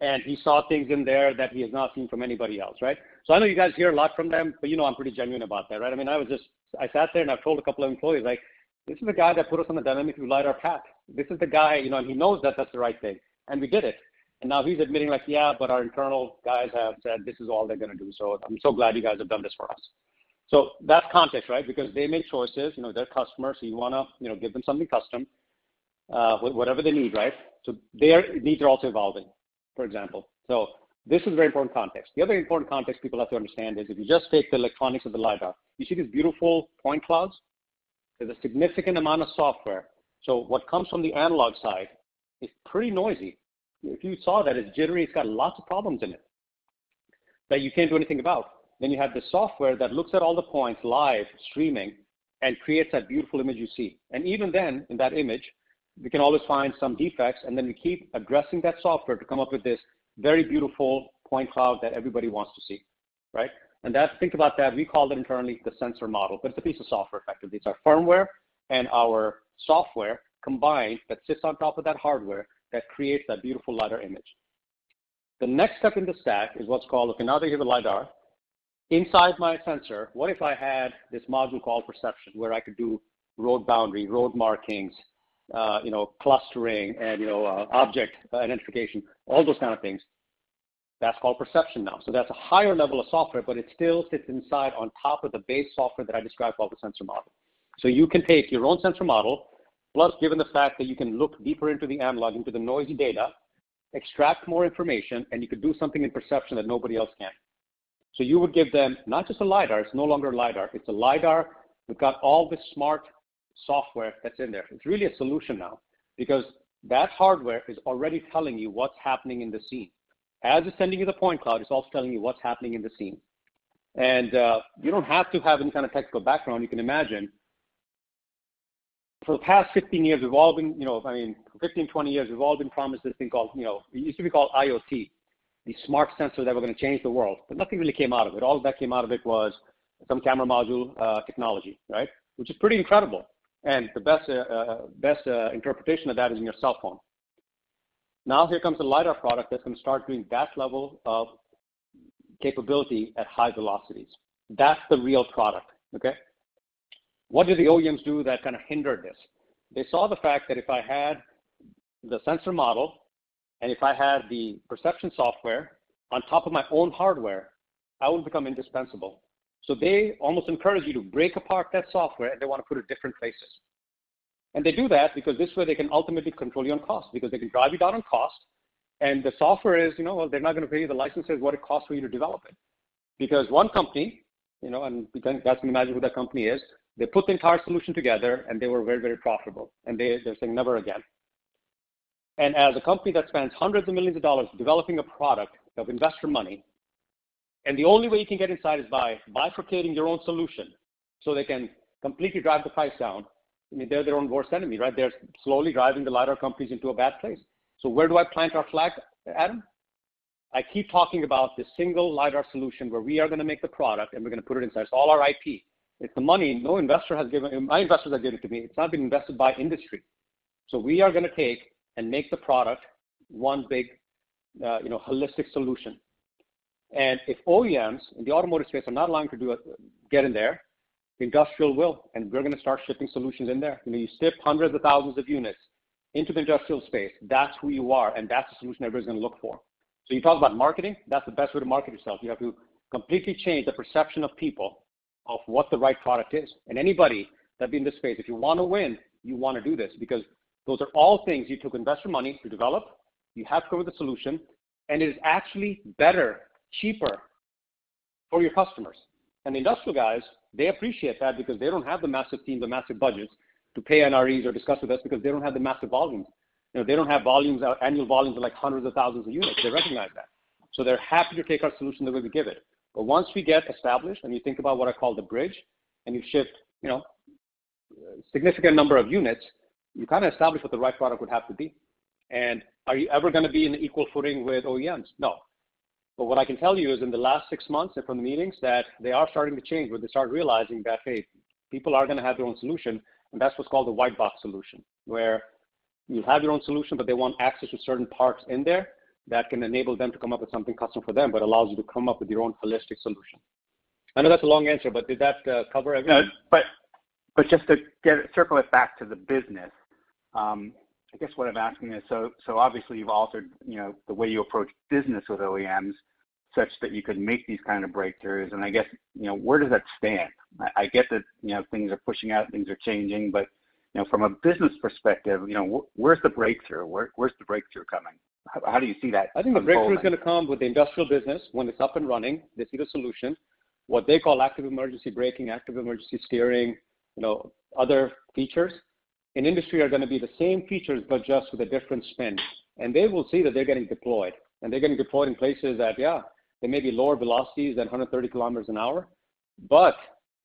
and he saw things in there that he has not seen from anybody else, right? So I know you guys hear a lot from them, but you know, I'm pretty genuine about that, right? I mean, I was just. I sat there and I've told a couple of employees, like, "This is the guy that put us on the dynamic LiDAR path. This is the guy, you know, and he knows that that's the right thing, and we did it, and now he's admitting like, "Yeah, but our internal guys have said this is all they're gonna do, so I'm so glad you guys have done this for us, so that's context, right? Because they make choices, you know, they're customers, so you wanna, you know, give them something custom, whatever they need, right, so their needs are also evolving, for example, so this is very important context. The other important context people have to understand is, if you just take the electronics of the LiDAR, you see these beautiful point clouds? There's a significant amount of software, so what comes from the analog side is pretty noisy. If you saw that, it's jittery, it's got lots of problems in it that you can't do anything about. Then you have the software that looks at all the points, live, streaming, and creates that beautiful image you see. And even then, in that image, we can always find some defects, and then we keep addressing that software to come up with this very beautiful point cloud that everybody wants to see, right? And that. Think about that. We call it internally the sensor model, but it's a piece of software, effectively. It's our firmware and our software combined, that sits on top of that hardware, that creates that beautiful LiDAR image. The next step in the stack is what's called, okay, now that you have a LiDAR, inside my sensor, what if I had this module called perception, where I could do road boundary, road markings, you know, clustering and, you know, object identification, all those kind of things. That's called perception now. So that's a higher level of software, but it still sits inside on top of the base software that I described called the sensor model. So you can take your own sensor model, plus given the fact that you can look deeper into the analog, into the noisy data, extract more information, and you can do something in perception that nobody else can. So you would give them, not just a LiDAR, it's no longer a LiDAR. It's a LiDAR that's got all this smart software that's in there. It's really a solution now, because that hardware is already telling you what's happening in the scene. As it's sending you the point cloud, it's also telling you what's happening in the scene. And, you don't have to have any kind of technical background. You can imagine for the past fifteen years evolving, you know, I mean, fifteen, twenty years, we've all been promised this thing called, you know, it used to be called IoT, the smart sensor that were gonna change the world, but nothing really came out of it. All that came out of it was some camera module technology, right? Which is pretty incredible, and the best interpretation of that is in your cell phone. Now, here comes a LiDAR product that's gonna start doing that level of capability at high velocities. That's the real product, okay? What did the OEMs do that kind of hindered this? They saw the fact that if I had the sensor model and if I had the perception software on top of my own hardware, I would become indispensable. So they almost encourage you to break apart that software, and they want to put it in different places. And they do that because this way they can ultimately control you on cost, because they can drive you down on cost, and the software is, you know, they're not gonna pay you the licenses, what it costs for you to develop it. Because one company, you know, and you guys can imagine who that company is, they put the entire solution together and they were very, very profitable, and they're saying, "Never again." And as a company that spends hundreds of millions of dollars developing a product of investor money, and the only way you can get inside is by bifurcating their own solution, so they can completely drive the price down, I mean, they're their own worst enemy, right? They're slowly driving the LiDAR companies into a bad place. So where do I plant our flag, Adam? I keep talking about this single LiDAR solution, where we are gonna make the product and we're gonna put it inside. It's all our IP. It's the money no investor has given. My investors have given to me. It's not been invested by industry. So we are gonna take and make the product one big, you know, holistic solution. And if OEMs in the automotive space are not allowing to do it, get in there, the industrial will, and we're gonna start shipping solutions in there. When you ship hundreds of thousands of units into the industrial space, that's who you are, and that's the solution everybody's gonna look for. So you talk about marketing, that's the best way to market yourself. You have to completely change the perception of people of what the right product is. And anybody that'd be in this space, if you wanna win, you wanna do this, because those are all things you took investor money to develop. You have to come with a solution, and it is actually better, cheaper for your customers. And the industrial guys, they appreciate that because they don't have the massive teams, the massive budgets, to pay NREs or discuss with us, because they don't have the massive volumes. You know, they don't have volumes, annual volumes of like hundreds of thousands of units. They recognize that, so they're happy to take our solution the way we give it. But once we get established, and you think about what I call the bridge, and you shift, you know, significant number of units, you kind of establish what the right product would have to be. And are you ever gonna be in equal footing with OEMs? No. But what I can tell you is in the last six months and from the meetings, that they are starting to change, where they start realizing that, hey, people are gonna have their own solution, and that's what's called the white box solution, where you have your own solution, but they want access to certain parts in there that can enable them to come up with something custom for them, but allows you to come up with your own holistic solution... I know that's a long answer, but did that cover everything? No, but just to circle it back to the business. I guess what I'm asking is, so obviously, you've altered, you know, the way you approach business with OEMs such that you can make these kind of breakthroughs, and I guess, you know, where does that stand? I get that, you know, things are pushing out, things are changing, but, you know, from a business perspective, you know, where's the breakthrough? Where's the breakthrough coming? How do you see that unfolding? I think the breakthrough is gonna come with the industrial business when it's up and running. They see the solution, what they call active emergency braking, active emergency steering, you know, other features. In industry are gonna be the same features, but just with a different spin. And they will see that they're getting deployed, and they're getting deployed in places that, yeah, they may be lower velocities than 130 kilometers an hour, but,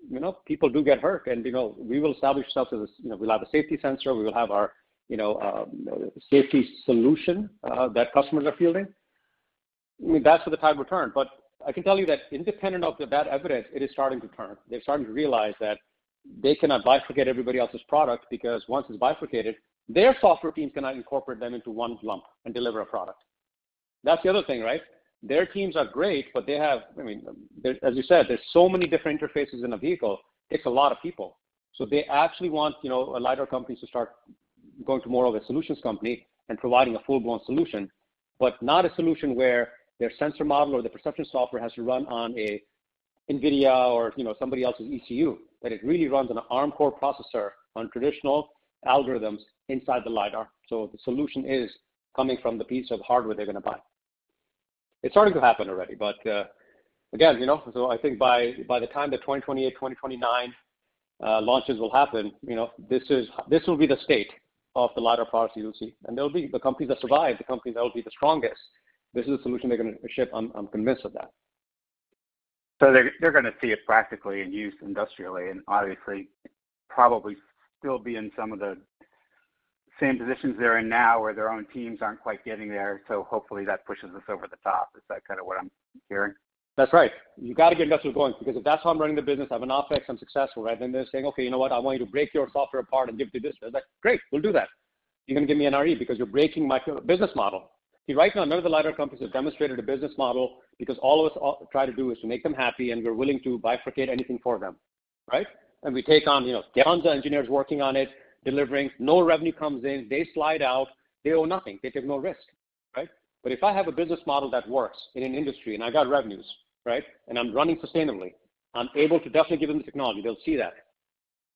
you know, people do get hurt, and, you know, we will establish ourselves as, you know, we'll have a safety sensor, we will have our, you know, safety solution that customers are fielding. I mean, that's to turn the tide. But I can tell you that independent of that evidence, it is starting to turn. They're starting to realize that they cannot bifurcate everybody else's product, because once it's bifurcated, their software teams cannot incorporate them into one lump and deliver a product. That's the other thing, right? Their teams are great, but they have, I mean, there's, as you said, there's so many different interfaces in a vehicle, it's a lot of people. So they actually want, you know, a lighter company to start going to more of a solutions company and providing a full-blown solution, but not a solution where their sensor model or the perception software has to run on a NVIDIA or, you know, somebody else's ECU, that it really runs on an Arm core processor on traditional algorithms inside the LiDAR. So the solution is coming from the piece of hardware they're gonna buy. It's starting to happen already, but again, you know, so I think by the time the 2028, 2029 launches will happen, you know, this is this will be the state of the LiDAR players you'll see. They'll be the companies that survive, the companies that will be the strongest. This is a solution they're gonna ship. I'm convinced of that. So they're gonna see it practically in use industrially, and obviously, probably still be in some of the same positions they're in now, where their own teams aren't quite getting there. So hopefully, that pushes us over the top. Is that kind of what I'm hearing? That's right. You got to get investors going, because if that's how I'm running the business, I have an OpEx, I'm successful, right? Then they're saying, "Okay, you know what? I want you to break your software apart and give to this." Great, we'll do that. You're gonna give me an NRE because you're breaking my business model. See, right now, none of the LiDAR companies have demonstrated a business model because all of us try to do is to make them happy, and we're willing to bifurcate anything for them, right? And we take on, you know, tons of engineers working on it, delivering. No revenue comes in, they slide out, they owe nothing, they take no risk, right? But if I have a business model that works in an industry and I got revenues, right, and I'm running sustainably, I'm able to definitely give them the technology. They'll see that.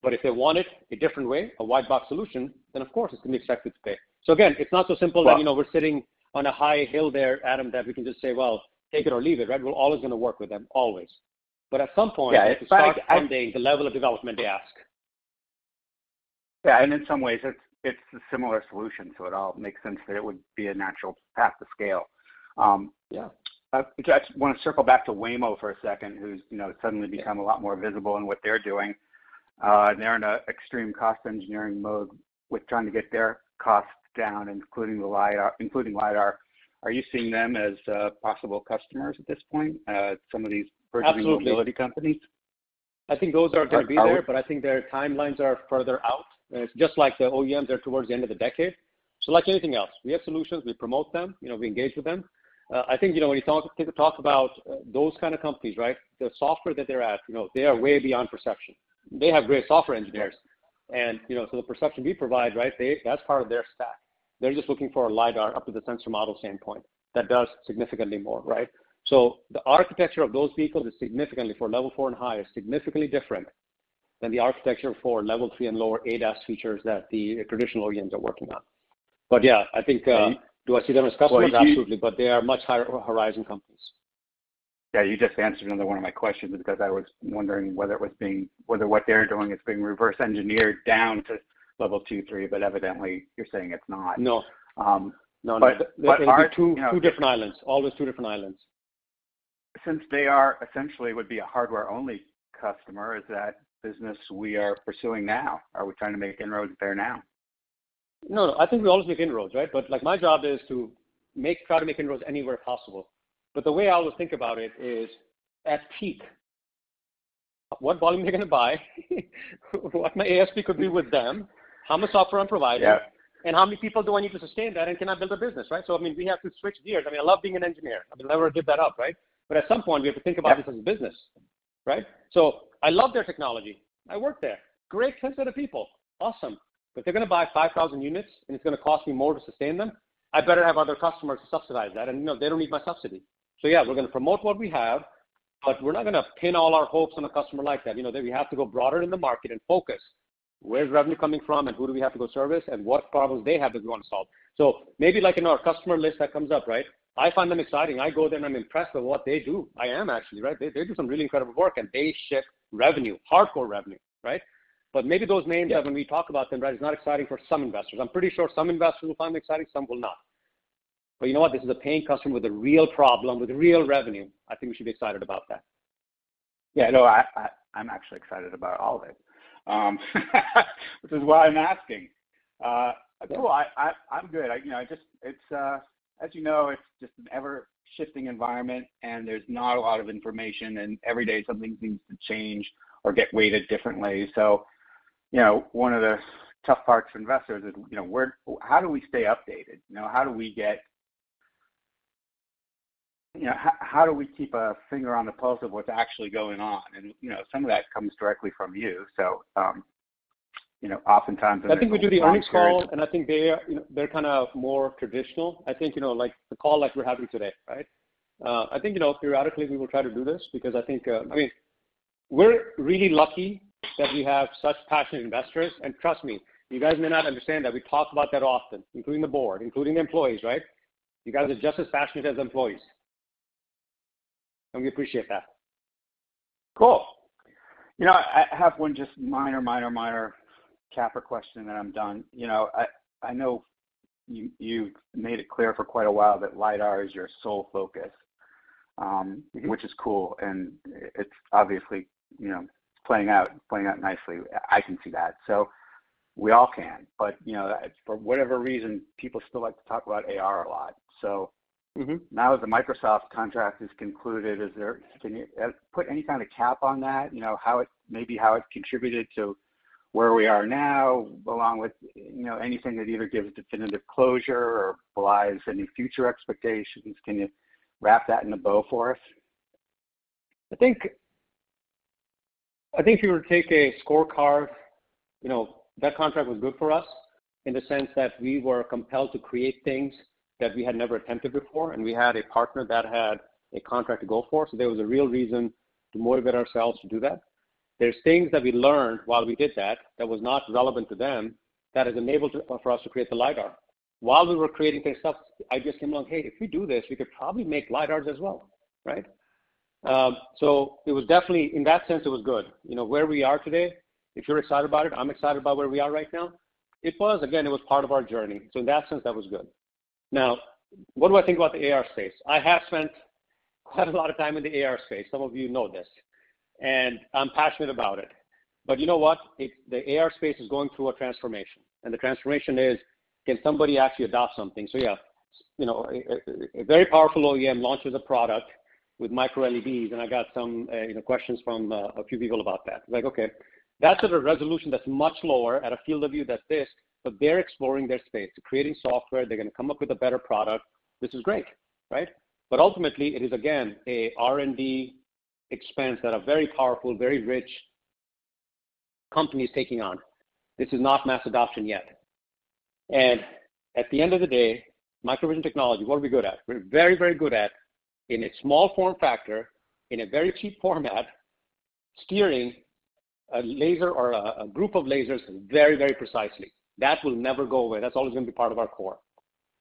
But if they want it a different way, a white box solution, then, of course, it's gonna be expected to pay. So again, it's not so simple that, you know, we're sitting on a high hill there, Adam, that we can just say, "Well, take it or leave it," right? We're always gonna work with them, always. But at some point, they start funding the level of development they ask. Yeah, and in some ways it's a similar solution, so it all makes sense that it would be a natural path to scale. Yeah. I just wanna circle back to Waymo for a second, who's, you know, suddenly become a lot more visible in what they're doing. They're in an extreme cost engineering mode with trying to get their costs down, including LiDAR. Are you seeing them as possible customers at this point, some of these burgeoning mobility companies? Absolutely. I think those are going to be there, but I think their timelines are further out. And it's just like the OEMs, they're towards the end of the decade. So like anything else, we have solutions, we promote them, you know, we engage with them. I think, you know, when you talk about those kind of companies, right, the software that they're at, you know, they are way beyond perception. They have great software engineers. And, you know, so the perception we provide, right, they that's part of their stack. They're just looking for a LiDAR up to the sensor model standpoint that does significantly more, right? So the architecture of those vehicles is significantly, for Level 4 and higher, different than the architecture for Level 3 and lower ADAS features that the traditional OEMs are working on. But yeah, I think, do I see them as customers? Absolutely. So you- But they are much higher horizon companies. Yeah, you just answered another one of my questions because I was wondering whether what they're doing is being reverse engineered down to Level 2, 3 but evidently, you're saying it's not. No. But are- There are two different islands, always two different islands. Since they are, essentially would be a hardware-only customer, is that business we are pursuing now? Are we trying to make inroads there now? No, I think we always make inroads, right? But, like, my job is to make, try to make inroads anywhere possible. But the way I always think about it is, at peak, what volume they're gonna buy, what my ASP could be with them, how much software I'm providing- Yeah. And how many people do I need to sustain that, and can I build a business, right? So I mean, we have to switch gears. I mean, I love being an engineer. I will never give that up, right? But at some point, we have to think about this as a business, right? So I love their technology. I worked there. Great, sensitive people. Awesome. But they're gonna buy five thousand units, and it's gonna cost me more to sustain them. I better have other customers to subsidize that, and no, they don't need my subsidy. So yeah, we're gonna promote what we have, but we're not gonna pin all our hopes on a customer like that. You know, that we have to go broader in the market and focus. Where's revenue coming from, and who do we have to go service, and what problems they have that we want to solve? So maybe like in our customer list that comes up, right? I find them exciting. I go there and I'm impressed with what they do. I am actually, right? They do some really incredible work, and they ship revenue, hardcore revenue, right? But maybe those names, when we talk about them, right? It's not exciting for some investors. I'm pretty sure some investors will find it exciting, some will not. But you know what? This is a paying customer with a real problem, with real revenue. I think we should be excited about that. Yeah, no, I'm actually excited about all of it. Which is why I'm asking. Cool, I'm good. You know, it's just, as you know, it's just an ever-shifting environment, and there's not a lot of information, and every day, something seems to change or get weighted differently. So, you know, one of the tough parts for investors is, you know, how do we stay updated? You know, how do we get... You know, how do we keep a finger on the pulse of what's actually going on? You know, some of that comes directly from you. So, you know, oftentimes- I think we do the earnings call, and I think they are, you know, they're kind of more traditional. I think, you know, like, the call like we're having today, right? I think, you know, periodically we will try to do this because I think, I mean, we're really lucky that we have such passionate investors. And trust me, you guys may not understand that we talk about that often, including the board, including the employees, right? You guys are just as passionate as employees, and we appreciate that. Cool. You know, I have one just minor capper question, then I'm done. You know, I know you made it clear for quite a while that LiDAR is your sole focus. -which is cool, and it's obviously, you know, playing out, playing out nicely. I can see that, so we all can. But, you know, for whatever reason, people still like to talk about AR a lot. So- Now that the Microsoft contract is concluded, is there... can you put any kind of cap on that? You know, how it, maybe how it's contributed to where we are now, along with, you know, anything that either gives definitive closure or belies any future expectations. Can you wrap that in a bow for us? I think if you were to take a scorecard, you know, that contract was good for us in the sense that we were compelled to create things that we had never attempted before, and we had a partner that had a contract to go for. So there was a real reason to motivate ourselves to do that. There's things that we learned while we did that, that was not relevant to them, that has enabled to, for us to create the LiDAR. While we were creating this stuff, I just came along, "Hey, if we do this, we could probably make LiDARs as well," right? So it was definitely. In that sense, it was good. You know, where we are today, if you're excited about it, I'm excited about where we are right now. It was, again, it was part of our journey, so in that sense, that was good. Now, what do I think about the AR space? I have spent quite a lot of time in the AR space. Some of you know this, and I'm passionate about it. But you know what? It, the AR space is going through a transformation, and the transformation is, can somebody actually adopt something? So, yeah, you know, a very powerful OEM launches a product with MicroLEDs, and I got some, you know, questions from, a few people about that. Like, okay, that's at a resolution that's much lower at a field of view that's this, but they're exploring their space. They're creating software. They're gonna come up with a better product. This is great, right? But ultimately, it is, again, a R&D expense that a very powerful, very rich company is taking on. This is not mass adoption yet. And at the end of the day, MicroVision technology, what are we good at? We're very, very good at, in a small form factor, in a very cheap format, steering a laser or a group of lasers very, very precisely. That will never go away. That's always gonna be part of our core.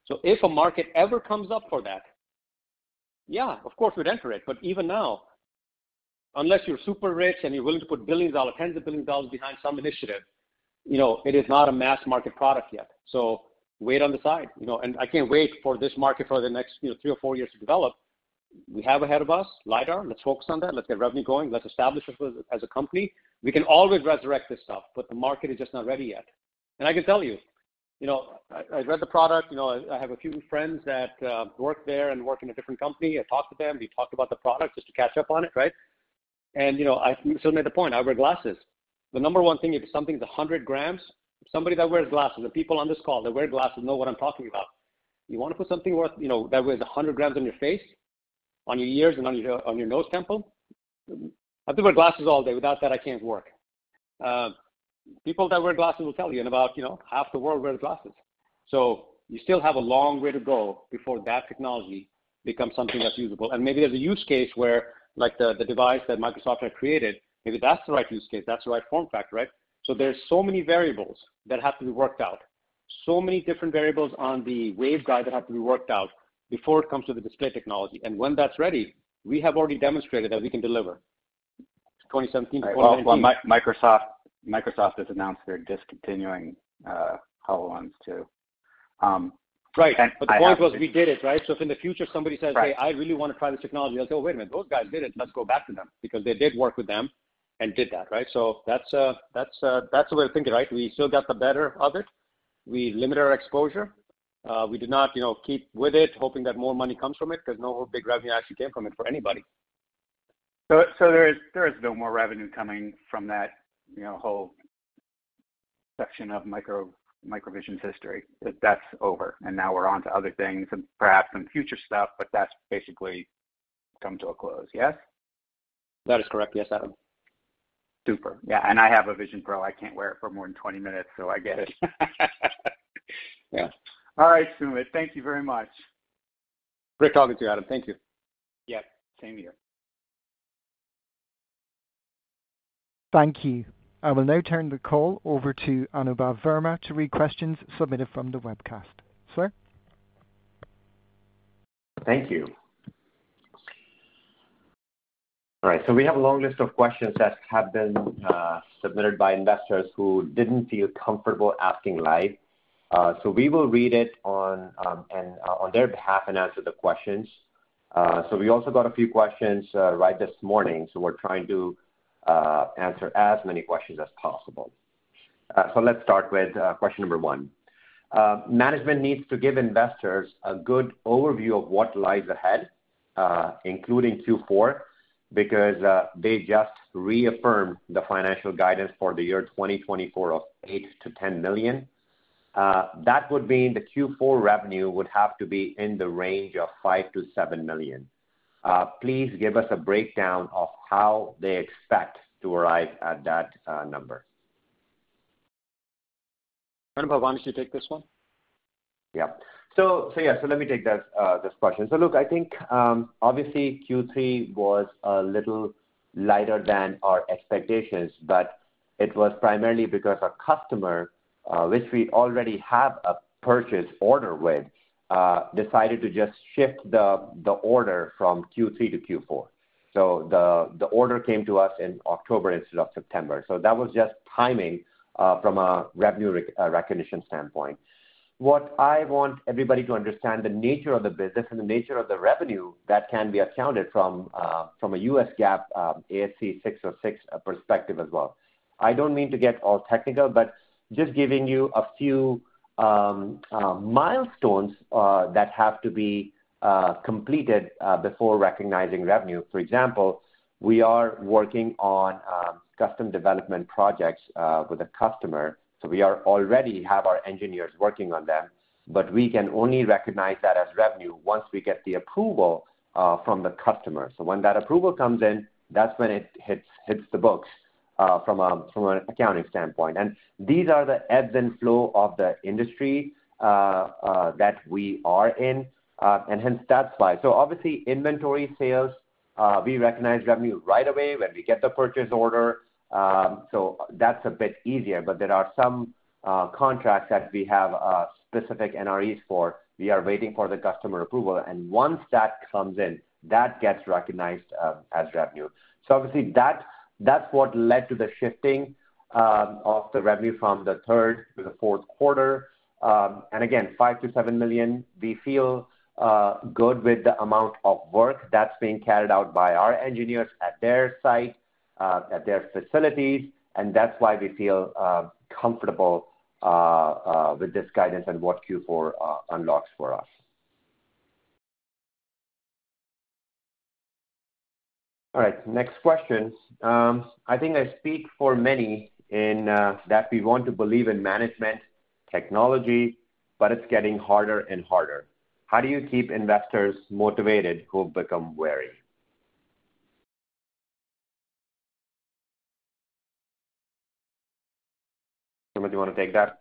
So if a market ever comes up for that, yeah, of course, we'd enter it. But even now, unless you're super rich and you're willing to put billions of dollars, tens of billions of dollars behind some initiative, you know, it is not a mass market product yet. So, wait on the side, you know, and I can't wait for this market for the next, you know, three or four years to develop. We have ahead of us, LiDAR. Let's focus on that. Let's get revenue going. Let's establish us as a company. We can always resurrect this stuff, but the market is just not ready yet. And I can tell you, you know, I rate the product, you know. I have a few friends that work there and work in a different company. I talked to them. We talked about the product just to catch up on it, right? And, you know, I still made the point. I wear glasses. The number one thing, if something's 100 grams, somebody that wears glasses, the people on this call that wear glasses know what I'm talking about. You want to put something worth, you know, that weighs a hundred grams on your face, on your ears and on your nose temple? I have to wear glasses all day. Without that, I can't work. People that wear glasses will tell you, and about, you know, half the world wears glasses. So you still have a long way to go before that technology becomes something that's usable. And maybe there's a use case where, like the device that Microsoft had created, maybe that's the right use case, that's the right form factor, right? So there's so many variables that have to be worked out, so many different variables on the waveguide that have to be worked out before it comes to the display technology. And when that's ready, we have already demonstrated that we can deliver 2017. Microsoft has announced they're discontinuing HoloLens 2. Right. And I have- But the point was, we did it, right? So if in the future somebody says- Right... "Hey, I really want to try this technology." They'll say, "Wait a minute, those guys did it. Let's go back to them," because they did work with them and did that, right? So that's the way to think of it, right? We still got the better of it. We limited our exposure. We did not, you know, keep with it, hoping that more money comes from it, because no big revenue actually came from it for anybody. So there is no more revenue coming from that, you know, whole section of MicroVision's history. That's over, and now we're on to other things and perhaps some future stuff, but that's basically come to a close, yes? That is correct. Yes, Adam. Super. Yeah, and I have a Vision Pro. I can't wear it for more than 20 minutes, so I get it. Yeah. All right, Sumit, thank you very much. Great talking to you, Adam. Thank you. Yep, same here. Thank you. I will now turn the call over to Anubhav Verma to read questions submitted from the webcast. Sir? Thank you. All right, so we have a long list of questions that have been submitted by investors who didn't feel comfortable asking live. So we will read it on and on their behalf and answer the questions. So we also got a few questions right this morning, so we're trying to answer as many questions as possible. So let's start with question number one. Management needs to give investors a good overview of what lies ahead, including Q4, because they just reaffirmed the financial guidance for the year 2024 of $8-$10 million. That would mean the Q4 revenue would have to be in the range of $5-$7 million. Please give us a breakdown of how they expect to arrive at that number. Anubhav, why don't you take this one? Yeah. So let me take this question. So look, I think, obviously, Q3 was a little lighter than our expectations, but it was primarily because a customer, which we already have a purchase order with, decided to just shift the order from Q3 to Q4. So the order came to us in October instead of September. So that was just timing from a revenue recognition standpoint. What I want everybody to understand the nature of the business and the nature of the revenue that can be accounted from a U.S. GAAP ASC 606 perspective as well. I don't mean to get all technical, but just giving you a few milestones that have to be completed before recognizing revenue. For example, we are working on custom development projects with a customer, so we are already have our engineers working on them. But we can only recognize that as revenue once we get the approval from the customer. So when that approval comes in, that's when it hits the books from an accounting standpoint. And these are the ebbs and flow of the industry that we are in and hence that slide. So obviously, inventory sales we recognize revenue right away when we get the purchase order, so that's a bit easier. But there are some contracts that we have specific NREs for. We are waiting for the customer approval, and once that comes in, that gets recognized as revenue. So obviously, that, that's what led to the shifting of the revenue from the third to the fourth quarter. And again, $5 million-$7 million, we feel good with the amount of work that's being carried out by our engineers at their site at their facilities, and that's why we feel comfortable with this guidance and what Q4 unlocks for us. All right, next question. I think I speak for many in that we want to believe in management, technology, but it's getting harder and harder. How do you keep investors motivated who have become wary? Somebody want to take that?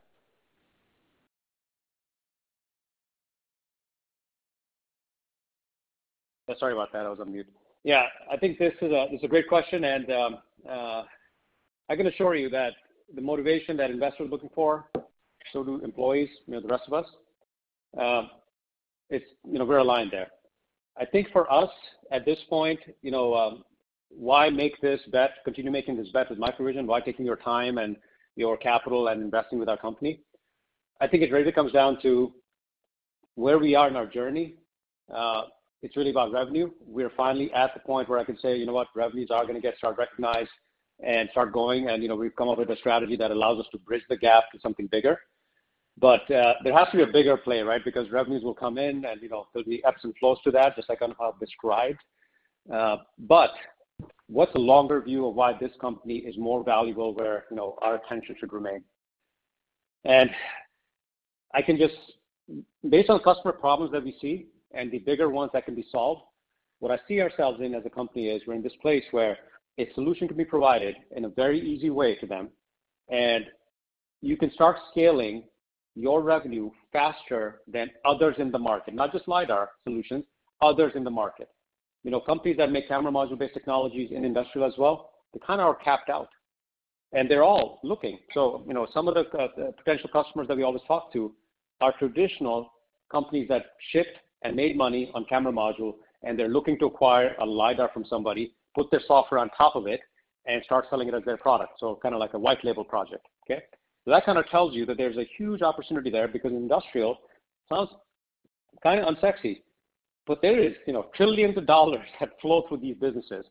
Sorry about that, I was on mute. Yeah, I think this is a great question, and I can assure you that the motivation that investors are looking for, so do employees, you know, the rest of us, it's, you know, we're aligned there. I think for us, at this point, you know, why make this bet, continue making this bet with MicroVision, why taking your time and your capital and investing with our company? I think it really comes down to where we are in our journey. It's really about revenue. We are finally at the point where I can say, "You know what? Revenues are gonna get start recognized and start going, and, you know, we've come up with a strategy that allows us to bridge the gap to something bigger." But there has to be a bigger play, right? Because revenues will come in and, you know, there'll be ebbs and flows to that, just like Anubhav described, but what's the longer view of why this company is more valuable, where, you know, our attention should remain? Based on customer problems that we see and the bigger ones that can be solved, what I see ourselves in as a company is, we're in this place where a solution can be provided in a very easy way to them, and you can start scaling your revenue faster than others in the market. Not just LiDAR solutions, others in the market. You know, companies that make camera module-based technologies in industrial as well, they kind of are capped out, and they're all looking. So you know, some of the potential customers that we always talk to are traditional companies that shipped and made money on camera module, and they're looking to acquire a LiDAR from somebody, put their software on top of it, and start selling it as their product. So kind of like a white label project, okay? So that kind of tells you that there's a huge opportunity there, because industrial sounds kind of unsexy, but there is, you know, trillions of dollars that flow through these businesses,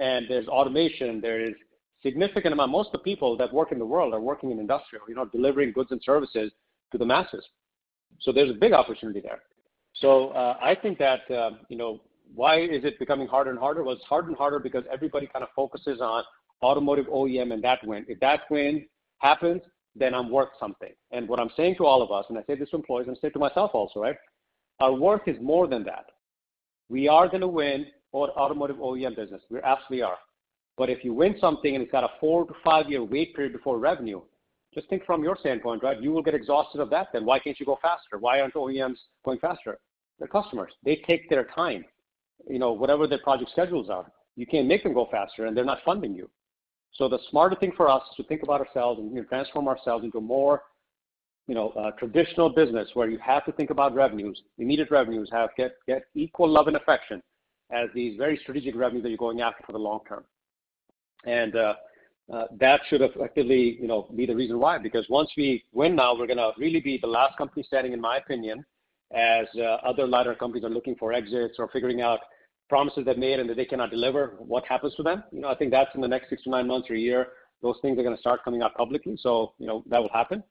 and there's automation, there is significant amount. Most of the people that work in the world are working in industrial, you know, delivering goods and services to the masses. So there's a big opportunity there. So I think that you know, why is it becoming harder and harder? It's harder and harder because everybody kind of focuses on automotive OEM and that win. If that win happens, then I'm worth something. And what I'm saying to all of us, and I say this to employees, and I say it to myself also, right? Our worth is more than that. We are gonna win on automotive OEM business. We absolutely are. But if you win something and it's got a four to five-year wait period before revenue, just think from your standpoint, right? You will get exhausted of that, then why can't you go faster? Why aren't OEMs going faster? They're customers. They take their time, you know, whatever their project schedules are. You can't make them go faster, and they're not funding you. So the smarter thing for us is to think about ourselves and, you know, transform ourselves into a more, you know, traditional business, where you have to think about revenues. Immediate revenues have to get equal love and affection as these very strategic revenues that you're going after for the long term, and that should effectively, you know, be the reason why. Because once we win now, we're gonna really be the last company standing, in my opinion, as other LiDAR companies are looking for exits or figuring out promises they've made and that they cannot deliver. What happens to them? You know, I think that's in the next six to nine months or a year. Those things are gonna start coming out publicly, so you know, that will happen.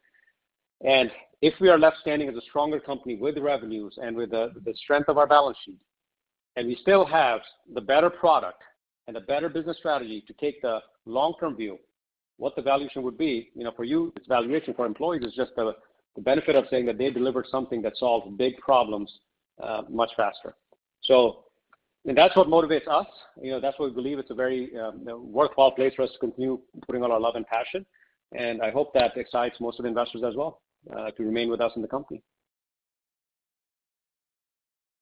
...And if we are left standing as a stronger company with revenues and with the strength of our balance sheet, and we still have the better product and a better business strategy to take the long-term view, what the valuation would be, you know, for you, it's valuation. For employees, it's just the benefit of saying that they delivered something that solves big problems much faster. And that's what motivates us, you know, that's why we believe it's a very worthwhile place for us to continue putting all our love and passion. And I hope that excites most of the investors as well to remain with us in the company.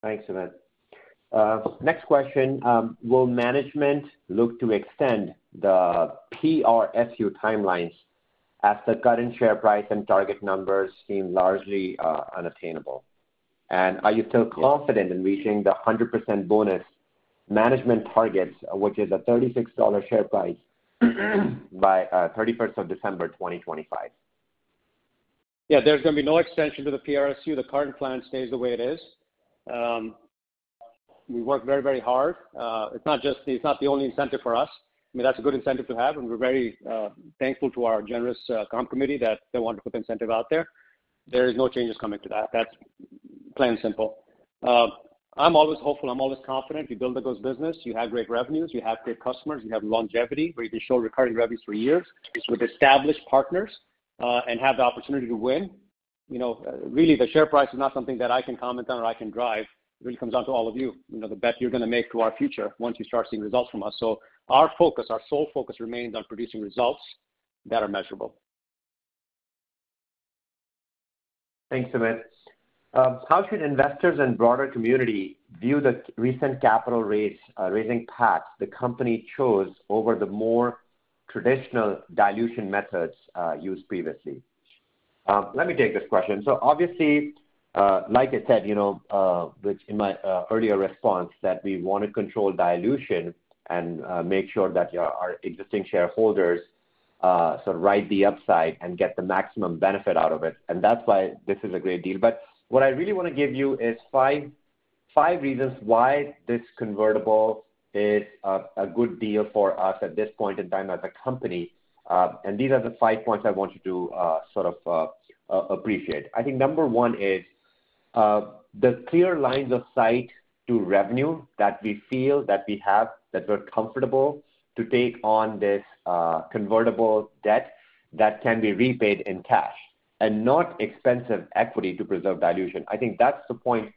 Thanks, Sumit. Next question. Will management look to extend the PRSU timelines as the current share price and target numbers seem largely unattainable? Are you still confident in reaching the 100% bonus management targets, which is a $36 share price, by thirty-first of December 2025? Yeah, there's gonna be no extension to the PRSU. The current plan stays the way it is. We work very, very hard. It's not the only incentive for us. I mean, that's a good incentive to have, and we're very thankful to our generous comp committee that they want to put the incentive out there. There is no changes coming to that. That's plain and simple. I'm always hopeful, I'm always confident. You build a good business, you have great revenues, you have great customers, you have longevity, where you can show recurring revenues for years with established partners, and have the opportunity to win. You know, really, the share price is not something that I can comment on or I can drive. It really comes down to all of you, you know, the bet you're gonna make to our future once you start seeing results from us. So our focus, our sole focus remains on producing results that are measurable. Thanks, Sumit. How should investors and broader community view the recent capital raise, raising path the company chose over the more traditional dilution methods used previously? Let me take this question. So obviously, like I said, you know, which in my earlier response, that we want to control dilution and make sure that our existing shareholders sort of ride the upside and get the maximum benefit out of it, and that's why this is a great deal. But what I really wanna give you is five reasons why this convertible is a good deal for us at this point in time as a company. And these are the five points I want you to sort of appreciate. I think number one is the clear lines of sight to revenue that we feel that we have, that we're comfortable to take on this convertible debt that can be repaid in cash and not expensive equity to preserve dilution. I think that's the point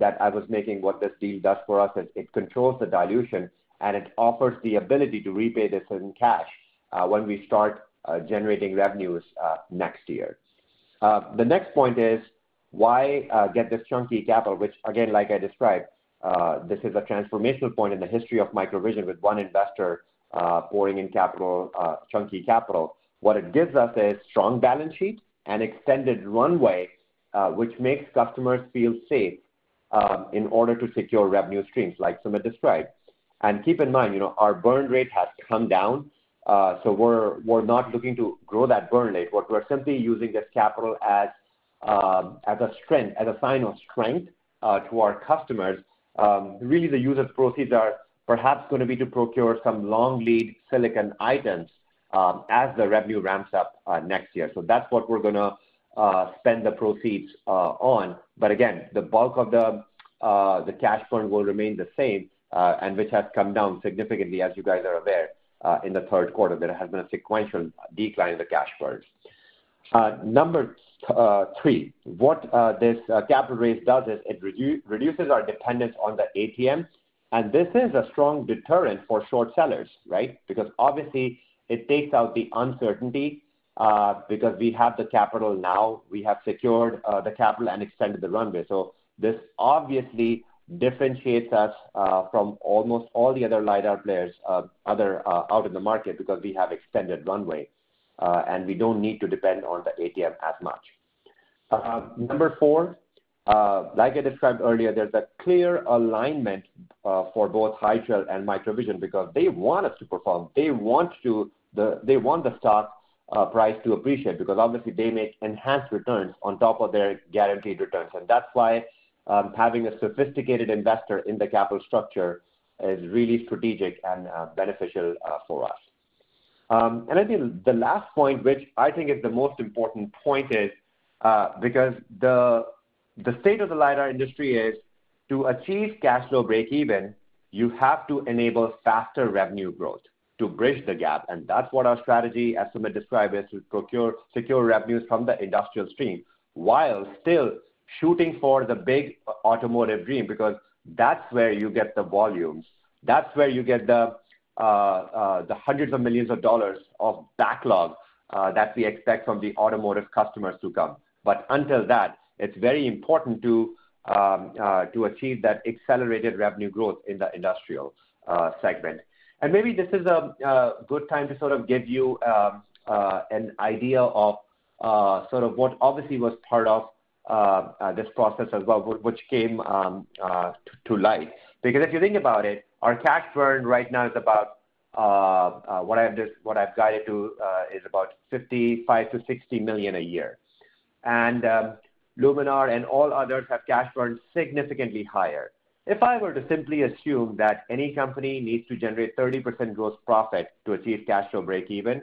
that I was making, what this deal does for us, is it controls the dilution, and it offers the ability to repay this in cash when we start generating revenues next year. The next point is, why get this chunky capital, which again, like I described, this is a transformational point in the history of MicroVision, with one investor pouring in capital, chunky capital. What it gives us is strong balance sheet and extended runway, which makes customers feel safe, in order to secure revenue streams, like Sumit described. And keep in mind, you know, our burn rate has come down, so we're not looking to grow that burn rate. What we're simply using this capital as, as a strength, as a sign of strength, to our customers. Really, the use of proceeds are perhaps gonna be to procure some long lead silicon items, as the revenue ramps up, next year. So that's what we're gonna spend the proceeds on. But again, the bulk of the cash burn will remain the same, and which has come down significantly, as you guys are aware, in the third quarter. There has been a sequential decline in the cash burn. Number three, what this capital raise does is it reduces our dependence on the ATM, and this is a strong deterrent for short sellers, right? Because obviously it takes out the uncertainty, because we have the capital now. We have secured the capital and extended the runway. So this obviously differentiates us from almost all the other LiDAR players, other out in the market, because we have extended runway, and we don't need to depend on the ATM as much. Number four, like I described earlier, there's a clear alignment for both High Trail and MicroVision, because they want us to perform, they want the stock price to appreciate, because obviously they make enhanced returns on top of their guaranteed returns. And that's why, having a sophisticated investor in the capital structure is really strategic and, beneficial, for us. And I think the last point, which I think is the most important point, is, because the state of the LiDAR industry is to achieve cash flow break-even, you have to enable faster revenue growth to bridge the gap, and that's what our strategy, as Sumit described, is to procure secure revenues from the industrial stream, while still shooting for the big automotive dream, because that's where you get the volumes. That's where you get the hundreds of millions of dollars of backlog that we expect from the automotive customers to come. But until that, it's very important to achieve that accelerated revenue growth in the industrial segment. And maybe this is a good time to sort of give you an idea of sort of what obviously was part of this process as well, which came to life. Because if you think about it, our cash burn right now is about what I've just-- what I've guided to is about $55-$60 million a year. And Luminar and all others have cash burn significantly higher. If I were to simply assume that any company needs to generate 30% gross profit to achieve cash flow break even-...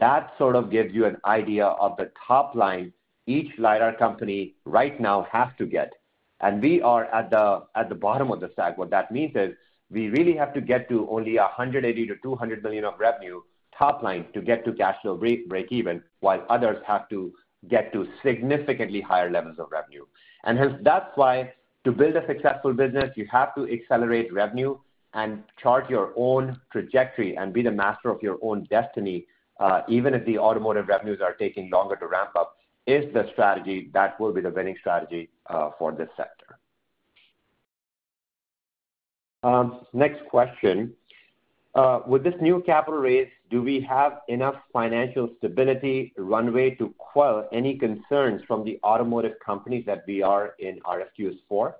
That sort of gives you an idea of the top line each LiDAR company right now has to get, and we are at the bottom of the stack. What that means is, we really have to get to only 180 to 200 million of revenue top line to get to cash flow break even, while others have to get to significantly higher levels of revenue. And hence, that's why to build a successful business, you have to accelerate revenue and chart your own trajectory and be the master of your own destiny, even if the automotive revenues are taking longer to ramp up, is the strategy that will be the winning strategy for this sector. Next question. With this new capital raise, do we have enough financial stability runway to quell any concerns from the automotive companies that we are in RFQs for?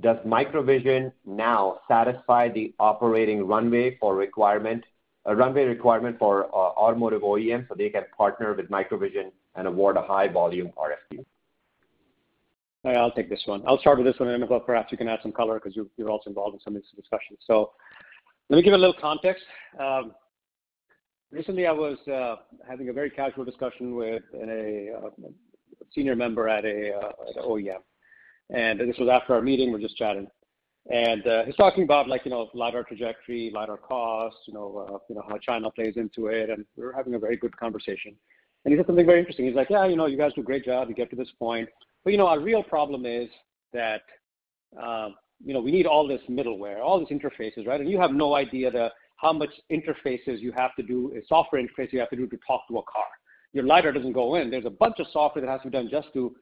Does MicroVision now satisfy the operating runway or requirement, a runway requirement for automotive OEMs, so they can partner with MicroVision and award a high volume RFQ? I'll take this one. I'll start with this one, and Anubhav, perhaps you can add some color because you're also involved in some of these discussions. So let me give you a little context. Recently, I was having a very casual discussion with a senior member at an OEM, and this was after our meeting. We're just chatting. And he's talking about, like, you know, LiDAR trajectory, LiDAR costs, you know, how China plays into it, and we were having a very good conversation. And he said something very interesting. He's like: "Yeah, you know, you guys do a great job. You get to this point. But, you know, our real problem is that, you know, we need all this middleware, all these interfaces, right?" And you have no idea how many interfaces you have to do, software interfaces you have to do to talk to a car. Your LiDAR doesn't go in. There's a bunch of software that has to be done just to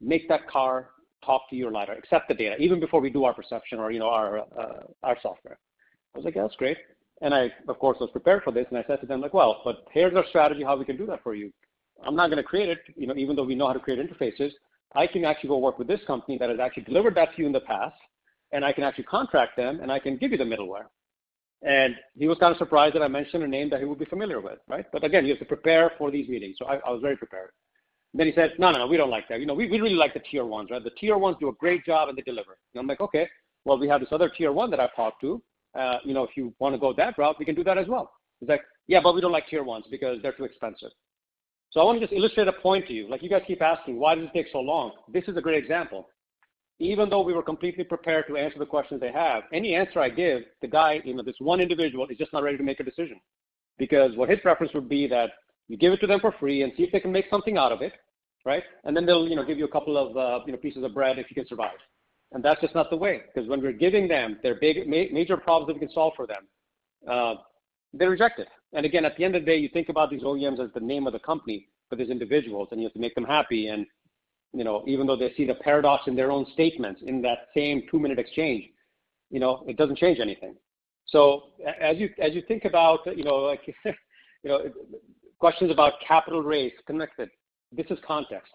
make that car talk to your LiDAR, accept the data, even before we do our perception or, you know, our software. I was like, "That's great." And I, of course, was prepared for this, and I said to them, like, "Well, but here's our strategy, how we can do that for you. I'm not gonna create it, you know, even though we know how to create interfaces. I can actually go work with this company that has actually delivered that to you in the past, and I can actually contract them, and I can give you the middleware." And he was kind of surprised that I mentioned a name that he would be familiar with, right? But again, you have to prepare for these meetings, so I was very prepared. Then he says, "No, no, we don't like that. You know, we really like the Tier 1s, right? The Tier 1s do a great job and they deliver." And I'm like, "Okay, well, we have this other Tier 1 that I've talked to. You know, if you wanna go that route, we can do that as well. He's like, "Yeah, but we don't like Tier 1s because they're too expensive." So I want to just illustrate a point to you. Like, you guys keep asking, why does it take so long? This is a great example. Even though we were completely prepared to answer the questions they have, any answer I give, the guy, you know, this one individual, is just not ready to make a decision. Because what his preference would be that you give it to them for free and see if they can make something out of it, right? And then they'll, you know, give you a couple of, you know, pieces of bread if you can survive. And that's just not the way, because when we're giving them their big major problems that we can solve for them, they reject it. And again, at the end of the day, you think about these OEMs as the name of the company, but there's individuals, and you have to make them happy. And, you know, even though they see the paradox in their own statements in that same two-minute exchange, you know, it doesn't change anything. So as you think about, you know, like, you know, questions about capital raise connected, this is context.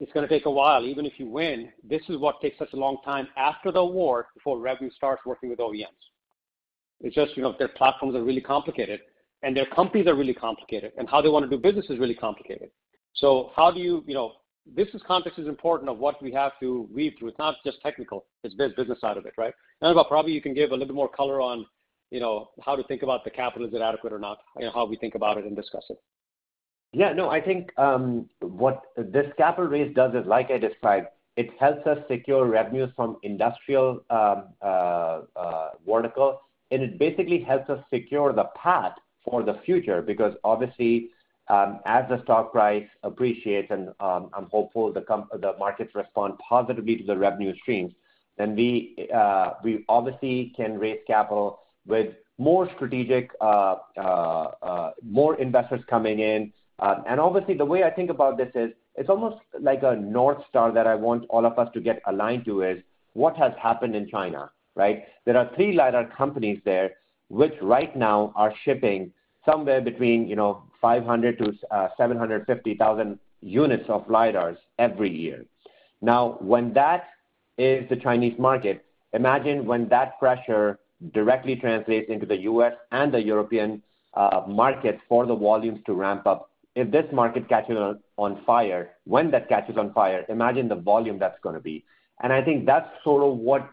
It's gonna take a while. Even if you win, this is what takes us a long time after the award, before revenue starts working with OEMs. It's just, you know, their platforms are really complicated, and their companies are really complicated, and how they wanna do business is really complicated. So, how do you... You know, business context is important of what we have to read through. It's not just technical, it's business side of it, right? Anubhav, probably you can give a little bit more color on, you know, how to think about the capital, is it adequate or not, and how we think about it and discuss it. Yeah, no, I think what this capital raise does is, like I described, it helps us secure revenues from industrial vertical, and it basically helps us secure the path for the future, because obviously, as the stock price appreciates, and I'm hopeful the markets respond positively to the revenue streams, then we obviously can raise capital with more strategic investors coming in, and obviously, the way I think about this is, it's almost like a North Star that I want all of us to get aligned to is, what has happened in China, right? There are three LiDAR companies there, which right now are shipping somewhere between, you know, 500-750,000 units of LiDARs every year. Now, when that is the Chinese market, imagine when that pressure directly translates into the U.S. and the European market for the volumes to ramp up. If this market catches on, on fire, when that catches on fire, imagine the volume that's gonna be. And I think that's sort of what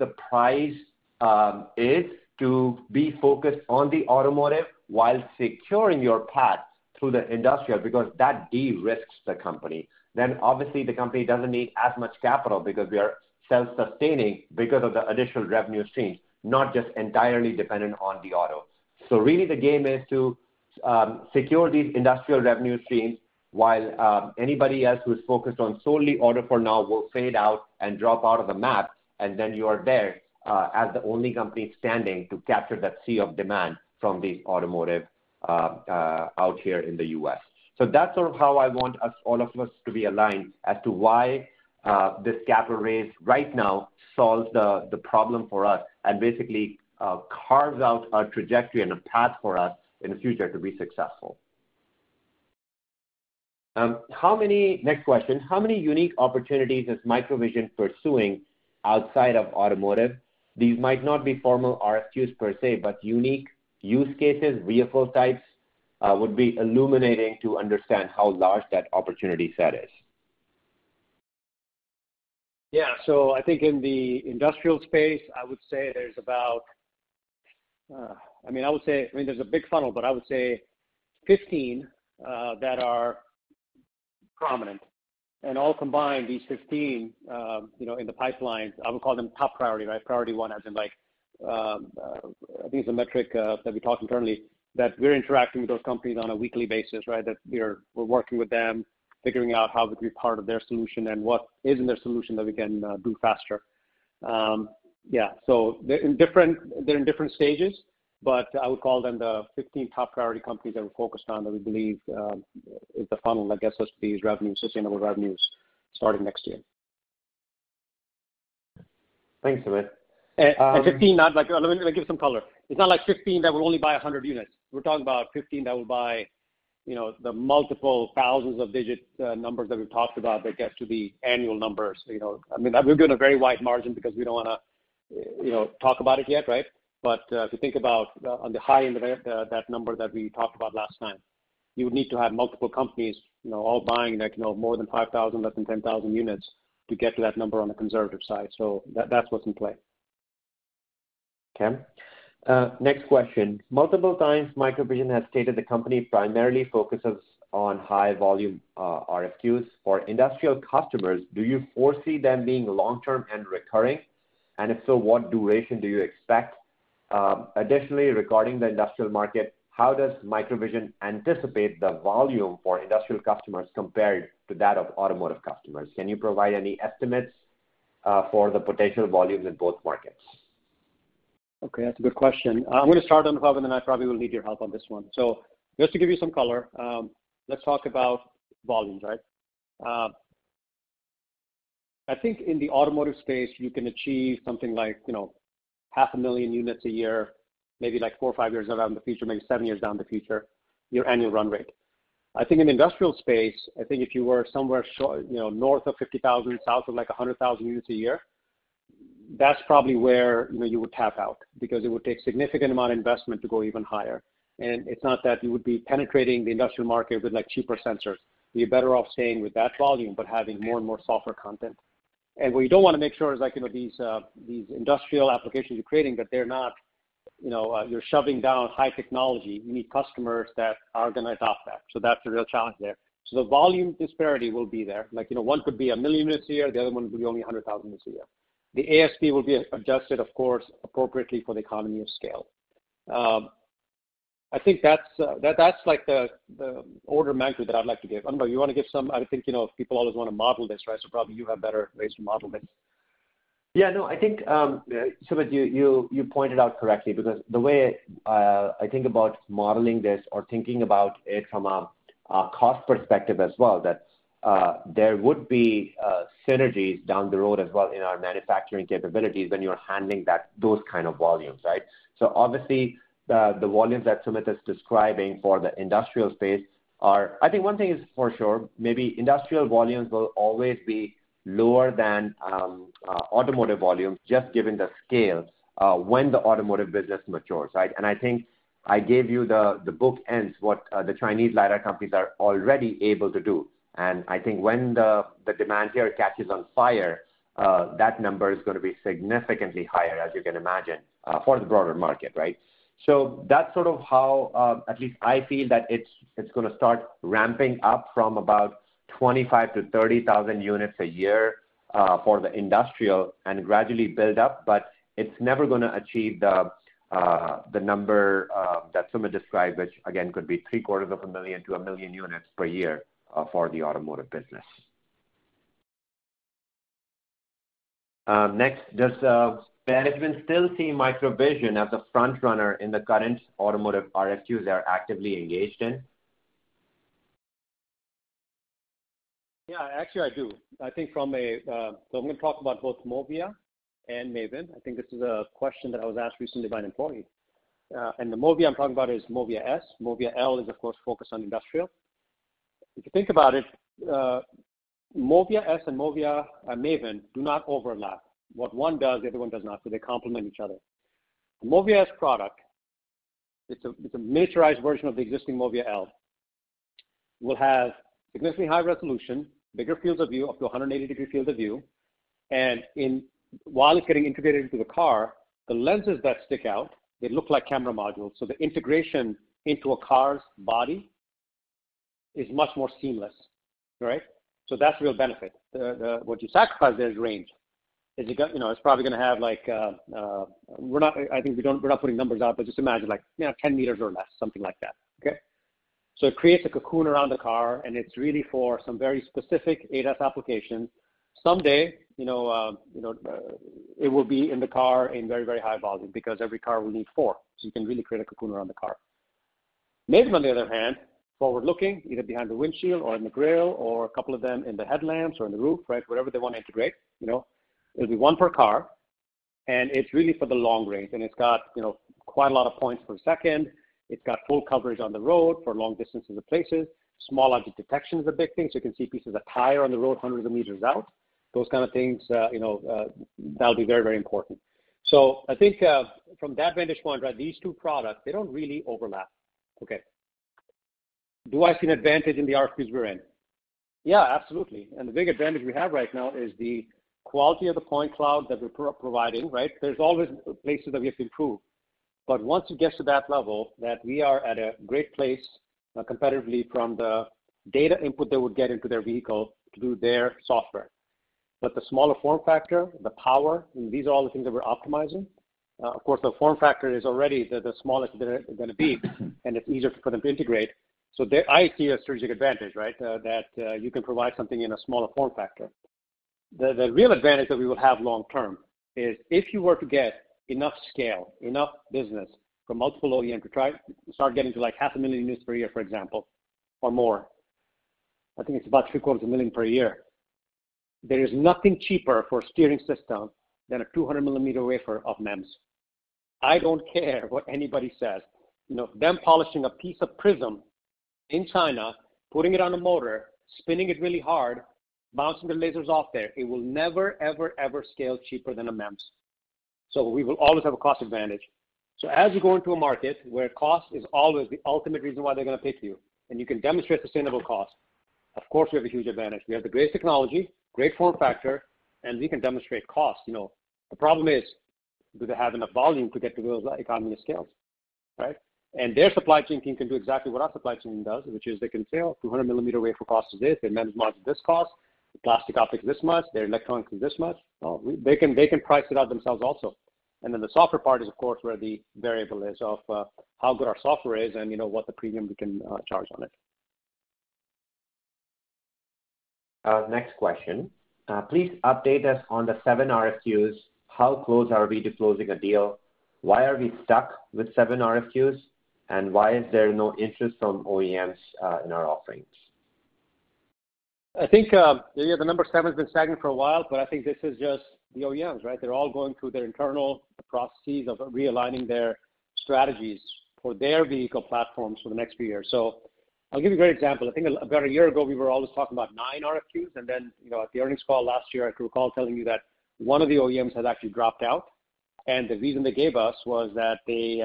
the price is to be focused on the automotive while securing your path through the industrial, because that de-risks the company. Then obviously the company doesn't need as much capital because we are self-sustaining because of the additional revenue streams, not just entirely dependent on the autos. Really, the game is to secure these industrial revenue streams, while anybody else who is focused on solely auto for now will fade out and drop out of the map, and then you are there as the only company standing to capture that sea of demand from the automotive out here in the U.S. That's sort of how I want us, all of us, to be aligned as to why this capital raise right now solves the problem for us and basically carves out a trajectory and a path for us in the future to be successful. Next question: How many unique opportunities is MicroVision pursuing outside of automotive? These might not be formal RFQs per se, but unique use cases, vehicle types, would be illuminating to understand how large that opportunity set is.... Yeah, so I think in the industrial space, I would say there's about, I mean, there's a big funnel, but I would say 15 that are prominent. And all combined, these 15, you know, in the pipeline, I would call them top priority, right? Priority one as in like, I think it's a metric that we talk internally, that we're interacting with those companies on a weekly basis, right? That we're working with them, figuring out how we can be part of their solution and what is in their solution that we can do faster. Yeah, so they're in different stages, but I would call them the 15 top priority companies that we're focused on, that we believe is the funnel that gets us these revenues, sustainable revenues starting next year. Thanks, Sumit. Fifteen, not like. Let me give some color. It's not like fifteen that will only buy a hundred units. We're talking about fifteen that will buy, you know, the multiple thousands of digit numbers that we've talked about that gets to the annual numbers. You know, I mean, we're giving a very wide margin because we don't wanna you know, talk about it yet, right? But if you think about on the high end of that that number that we talked about last time, you would need to have multiple companies, you know, all buying, like, you know, more than five thousand, less than ten thousand units to get to that number on the conservative side. So that's what's in play. Okay. Next question: Multiple times, MicroVision has stated the company primarily focuses on high volume, RFQs. For industrial customers, do you foresee them being long-term and recurring? And if so, what duration do you expect? Additionally, regarding the industrial market, how does MicroVision anticipate the volume for industrial customers compared to that of automotive customers? Can you provide any estimates, for the potential volumes in both markets? Okay, that's a good question. I'm gonna start on, Anubhav, and then I probably will need your help on this one, so just to give you some color, let's talk about volumes, right? I think in the automotive space, you can achieve something like, you know, 500,000 units a year, maybe like four or five years down the future, maybe seven years down the future, your annual run rate. I think in the industrial space, if you were somewhere short, you know, north of 50,000, south of, like, 100,000 units a year, that's probably where, you know, you would tap out because it would take significant amount of investment to go even higher, and it's not that you would be penetrating the industrial market with, like, cheaper sensors. You're better off staying with that volume, but having more and more software content. And what we don't wanna make sure is, like, you know, these industrial applications you're creating, that they're not, you know, you're shoving down high technology. You need customers that are gonna adopt that. So that's a real challenge there. So the volume disparity will be there. Like, you know, one could be 1 million units a year, the other one could be only 100,000 units a year. The ASP will be adjusted, of course, appropriately for the economy of scale. I think that's like the order of magnitude that I'd like to give. Anubhav, you wanna give some... I would think, you know, people always wanna model this, right? So probably you have better ways to model this. Yeah, no, I think, Sumit, you pointed out correctly because the way, I think about modeling this or thinking about it from a cost perspective as well, that there would be synergies down the road as well in our manufacturing capabilities when you are handling that- those kind of volumes, right? So obviously, the volumes that Sumit is describing for the industrial space are-- I think one thing is for sure, maybe industrial volumes will always be lower than automotive volumes, just given the scale, when the automotive business matures, right? And I think I gave you the bookends, what the Chinese LiDAR companies are already able to do. I think when the demand here catches on fire, that number is gonna be significantly higher, as you can imagine, for the broader market, right? So that's sort of how, at least I feel that it's gonna start ramping up from about 25-30 thousand units a year, for the industrial and gradually build up, but it's never gonna achieve the number that Sumit described, which again, could be 750,000-1 million units per year, for the automotive business. Next, does management still see MicroVision as the front runner in the current automotive RFQs they are actively engaged in? Yeah, actually, I do. I think from a... So I'm gonna talk about both MOVIA and MAVIN. I think this is a question that I was asked recently by an employee. And the MOVIA I'm talking about is MOVIA S. MOVIA L is, of course, focused on industrial. If you think about it, MOVIA S and MOVIA and MAVIN do not overlap. What one does, the other one does not, so they complement each other. The MOVIA S product, it's a matured version of the existing MOVIA L, will have significantly high resolution, bigger fields of view, up to 180-degree field of view, and while it's getting integrated into the car, the lenses that stick out, they look like camera modules, so the integration into a car's body is much more seamless, right? So that's the real benefit. What you sacrifice there is range. It's got, you know, it's probably gonna have like, we're not putting numbers out, but just imagine like, you know, 10 meters or less, something like that, okay, so it creates a cocoon around the car, and it's really for some very specific ADAS applications. Someday, you know, it will be in the car in very, very high volume because every car will need 4, so you can really create a cocoon around the car. MAVIN, on the other hand, forward-looking, either behind the windshield or in the grille or a couple of them in the headlamps or in the roof, right, wherever they wanna integrate, you know, it'll be one per car, and it's really for the long range, and it's got, you know, quite a lot of points per second. It's got full coverage on the road for long distances to places. Small object detection is a big thing, so you can see pieces of tire on the road, hundreds of meters out, those kind of things, you know, that'll be very, very important. So I think, from that vantage point, right, these two products, they don't really overlap, okay? Do I see an advantage in the RFQs we're in? Yeah, absolutely. The big advantage we have right now is the quality of the point cloud that we're providing, right? There's always places that we have to improve. But once it gets to that level, that we are at a great place, competitively from the data input they would get into their vehicle to do their software. But the smaller form factor, the power, and these are all the things that we're optimizing. Of course, the form factor is already the smallest it gonna be, and it's easier for them to integrate. So I see a strategic advantage, right? That you can provide something in a smaller form factor. The real advantage that we will have long term is if you were to get enough scale, enough business from multiple OEM to start getting to, like, 500,000 units per year, for example, or more, I think it's about 750,000 per year. There is nothing cheaper for a steering system than a 200-millimeter wafer of MEMS. I don't care what anybody says. You know, them polishing a piece of prism in China, putting it on a motor, spinning it really hard, bouncing the lasers off there, it will never, ever, ever scale cheaper than a MEMS. So we will always have a cost advantage. So as you go into a market where cost is always the ultimate reason why they're gonna pick you, and you can demonstrate sustainable cost, of course, we have a huge advantage. We have the greatest technology, great form factor, and we can demonstrate cost. You know, the problem is, do they have enough volume to get to those economies of scale, right? Their supply chain team can do exactly what our supply chain team does, which is they can say a 200-millimeter wafer cost is this, their MEMS module is this cost, the plastic optic is this much, their electronics is this much. Well, they can price it out themselves also. Then the software part is, of course, where the variable is of how good our software is and, you know, what the premium we can charge on it. Next question. Please update us on the seven RFQs. How close are we to closing a deal? Why are we stuck with seven RFQs, and why is there no interest from OEMs in our offerings? I think, yeah, the number seven has been stagnant for a while, but I think this is just the OEMs, right? They're all going through their internal processes of realigning their strategies for their vehicle platforms for the next few years. So I'll give you a great example. I think about a year ago, we were always talking about nine RFQs, and then, you know, at the earnings call last year, I could recall telling you that one of the OEMs has actually dropped out, and the reason they gave us was that they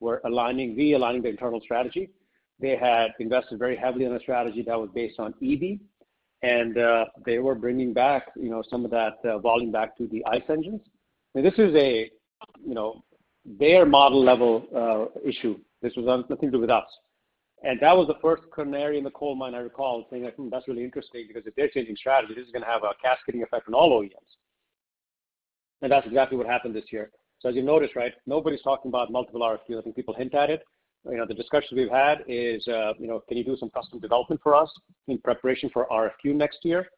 were realigning their internal strategy. They had invested very heavily on a strategy that was based on EV, and they were bringing back, you know, some of that volume back to the ICE engines. And this is a, you know, their model level issue. This was on nothing to do with us. And that was the first canary in the coal mine, I recall, saying, "That's really interesting, because if they're changing strategy, this is gonna have a cascading effect on all OEMs." And that's exactly what happened this year. So as you noticed, right, nobody's talking about multiple RFQ. I think people hint at it. You know, the discussions we've had is, you know, "Can you do some custom development for us in preparation for RFQ next year?"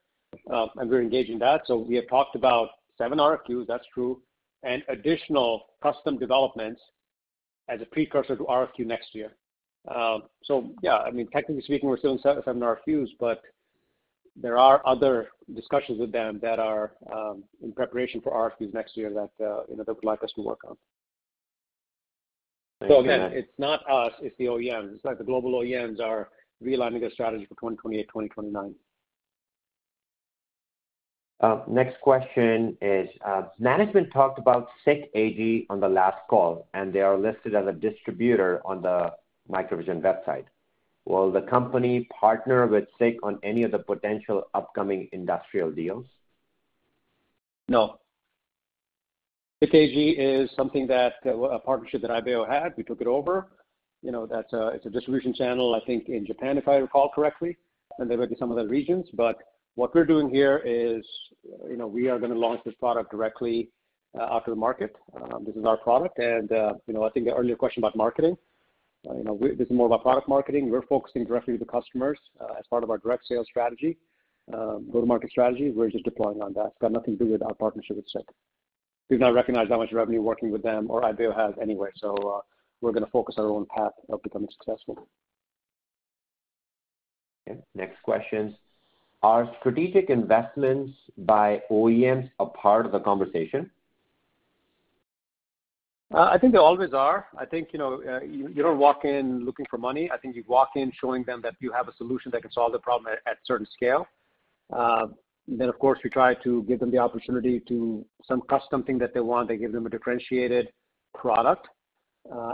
and we're engaged in that. So we have talked about seven RFQs, that's true, and additional custom developments as a precursor to RFQ next year. So yeah, I mean, technically speaking, we're still in seven RFQs, but there are other discussions with them that are in preparation for RFQs next year that you know, they would like us to work on. Thank you. So again, it's not us, it's the OEMs. It's like the global OEMs are realigning their strategy for 2028, 2029. Next question is, management talked about SICK AG on the last call, and they are listed as a distributor on the MicroVision website. Will the company partner with SICK on any of the potential upcoming industrial deals? No. SICK AG is something that, a partnership that Ibeo had. We took it over. You know, that's a distribution channel, I think, in Japan, if I recall correctly, and maybe some other regions. But what we're doing here is, you know, we are gonna launch this product directly, out to the market. This is our product, and, you know, I think the earlier question about marketing, you know, this is more about product marketing. We're focusing directly to the customers, as part of our direct sales strategy. Go-to-market strategy, we're just deploying on that. It's got nothing to do with our partnership with SICK. We've not recognized that much revenue working with them or Ibeo has anyway, so, we're gonna focus our own path of becoming successful. Okay, next question: Are strategic investments by OEMs a part of the conversation? I think they always are. I think, you know, you don't walk in looking for money. I think you walk in showing them that you have a solution that can solve the problem at certain scale. Then, of course, we try to give them the opportunity to some custom thing that they want. They give them a differentiated product,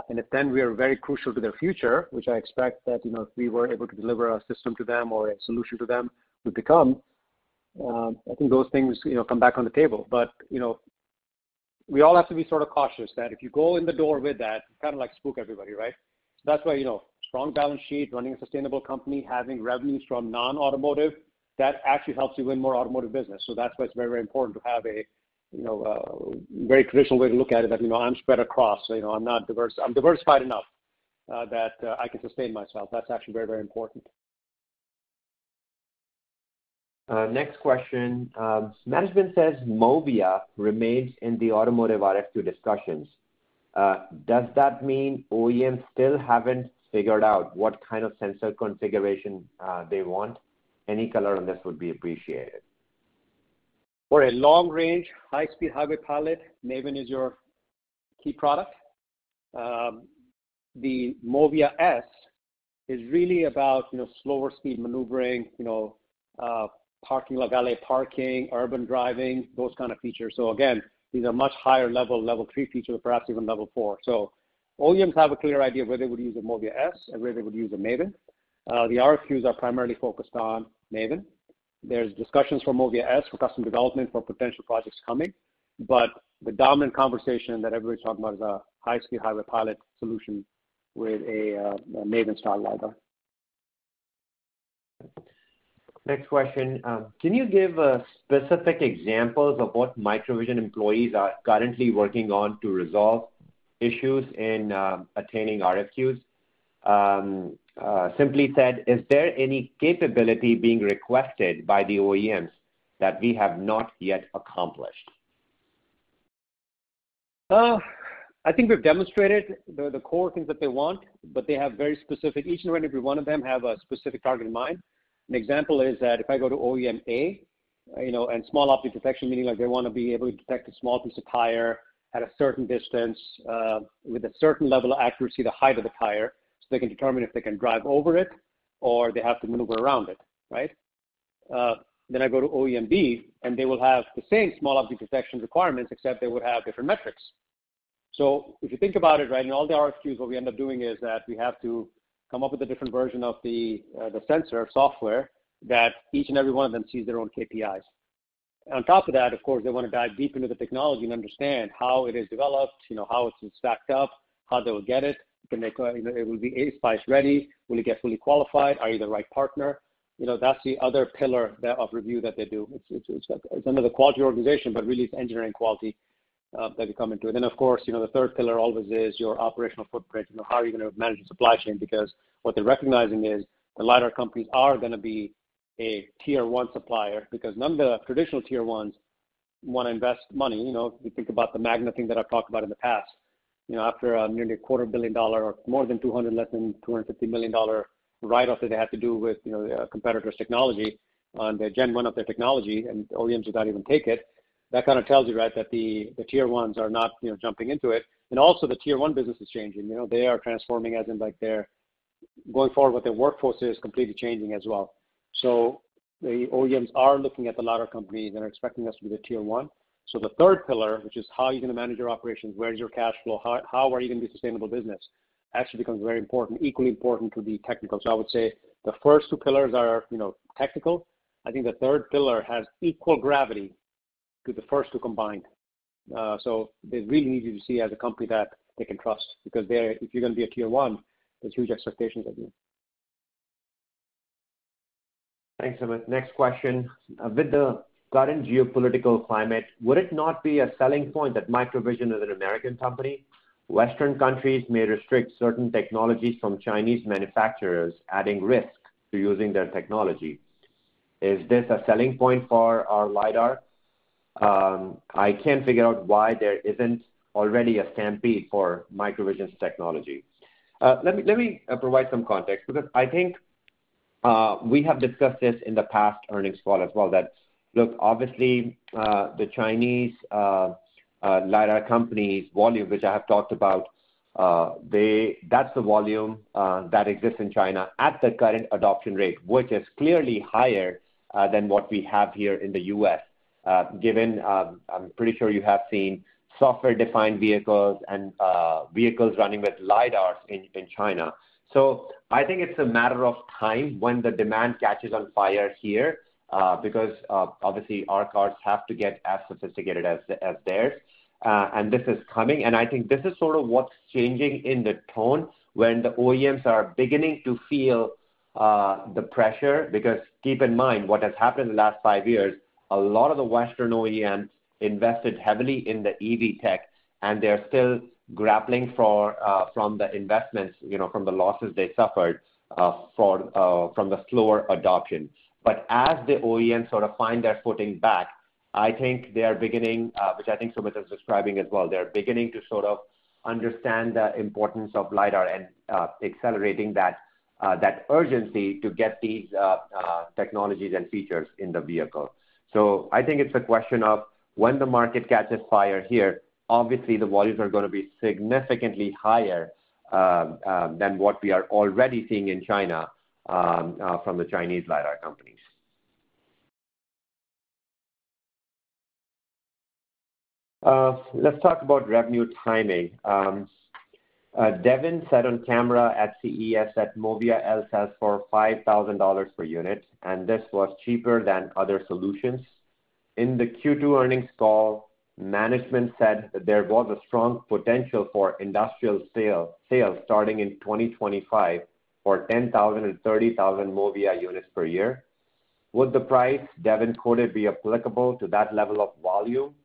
and then if we are very crucial to their future, which I expect that, you know, if we were able to deliver a system to them or a solution to them, to become, I think those things, you know, come back on the table. But, you know, we all have to be sort of cautious that if you go in the door with that, kind of like spook everybody, right? That's why, you know, strong balance sheet, running a sustainable company, having revenues from non-automotive, that actually helps you win more automotive business. So that's why it's very, very important to have a, you know, very traditional way to look at it, that, you know, I'm spread across. You know, I'm not diverse, I'm diversified enough, that, I can sustain myself. That's actually very, very important. Next question. Management says MOVIA remains in the automotive RFQ discussions. Does that mean OEMs still haven't figured out what kind of sensor configuration they want? Any color on this would be appreciated. For a long range, high-speed highway pilot, MAVIN is your key product. The MOVIA S is really about, you know, slower speed maneuvering, you know, parking, like valet parking, urban driving, those kind of features. So again, these are much higher level, Level 3 features, perhaps even Level 4. So OEMs have a clear idea of whether they would use a MOVIA S and whether they would use a MAVIN. The RFQs are primarily focused on MAVIN. There's discussions for MOVIA S for custom development for potential projects coming. But the dominant conversation that everybody's talking about is a high-speed highway pilot solution with a MAVIN DR LiDAR. Next question. Can you give specific examples of what MicroVision employees are currently working on to resolve issues in attaining RFQs? Simply said, is there any capability being requested by the OEMs that we have not yet accomplished? I think we've demonstrated the core things that they want, but they have very specific, each and every one of them have a specific target in mind. An example is that if I go to OEM A, you know, and small object detection, meaning, like, they wanna be able to detect a small piece of tire at a certain distance, with a certain level of accuracy, the height of the tire, so they can determine if they can drive over it or they have to maneuver around it, right? Then I go to OEM B, and they will have the same small object detection requirements, except they would have different metrics. So if you think about it, right, in all the RFQs, what we end up doing is that we have to come up with a different version of the sensor software that each and every one of them sees their own KPIs. On top of that, of course, they wanna dive deep into the technology and understand how it is developed, you know, how it's stacked up, how they will get it. It will be ASPICE ready. Will it get fully qualified? Are you the right partner? You know, that's the other pillar of review that they do. It's under the quality organization, but really, it's engineering quality that we come into. And then, of course, you know, the third pillar always is your operational footprint, and how are you gonna manage the supply chain? Because what they're recognizing is the LiDAR companies are gonna be a Tier 1 supplier, because none of the traditional Tier 1s wanna invest money. You know, if you think about the Magna thing that I've talked about in the past, you know, after nearly $250 million or more than $200, less than $250 million dollar write-off that they had to do with, you know, their competitor's technology on the Gen 1 of their technology, and OEMs did not even take it, that kind of tells you, right, that the Tier 1 are not, you know, jumping into it. And also, the Tier 1 business is changing. You know, they are transforming as in, like, they're going forward with their workforce is completely changing as well. The OEMs are looking at the LiDAR companies and are expecting us to be the Tier 1. So the third pillar, which is how are you gonna manage your operations, where is your cash flow, how are you gonna be a sustainable business, actually becomes very important, equally important to the technical. So I would say the first two pillars are, you know, technical. I think the third pillar has equal gravity to the first two combined. So they really need you to see as a company that they can trust because they're, if you're gonna be a Tier 1, there's huge expectations of you. Thanks, Sumit. Next question: With the current geopolitical climate, would it not be a selling point that MicroVision is an American company? Western countries may restrict certain technologies from Chinese manufacturers, adding risk to using their technology. Is this a selling point for our LiDAR? I can't figure out why there isn't already a stampede for MicroVision's technology. Let me provide some context, because I think we have discussed this in the past earnings call as well, that, look, obviously, the Chinese LiDAR companies' volume, which I have talked about, that's the volume that exists in China at the current adoption rate, which is clearly higher than what we have here in the U.S. Given, I'm pretty sure you have seen software-defined vehicles and vehicles running with LiDARs in China. I think it's a matter of time when the demand catches on fire here, because obviously, our cars have to get as sophisticated as theirs. And this is coming, and I think this is sort of what's changing in the tone when the OEMs are beginning to feel the pressure. Because keep in mind what has happened in the last five years. A lot of the Western OEMs invested heavily in the EV tech, and they're still grappling from the investments, you know, from the losses they suffered from the slower adoption. But as the OEMs sort of find their footing back, I think they are beginning, which I think Sumit is describing as well, they're beginning to sort of understand the importance of LiDAR and, accelerating that, that urgency to get these, technologies and features in the vehicle. So I think it's a question of when the market catches fire here, obviously, the volumes are gonna be significantly higher, than what we are already seeing in China, from the Chinese LiDAR companies. Let's talk about revenue timing. Devin said on camera at CES that MOVIA L is for $5,000 per unit, and this was cheaper than other solutions. In the Q2 earnings call, management said that there was a strong potential for industrial sales starting in 2025 for 10,000 and 30,000 MOVIA units per year. Would the price Devin quoted be applicable to that level of volume?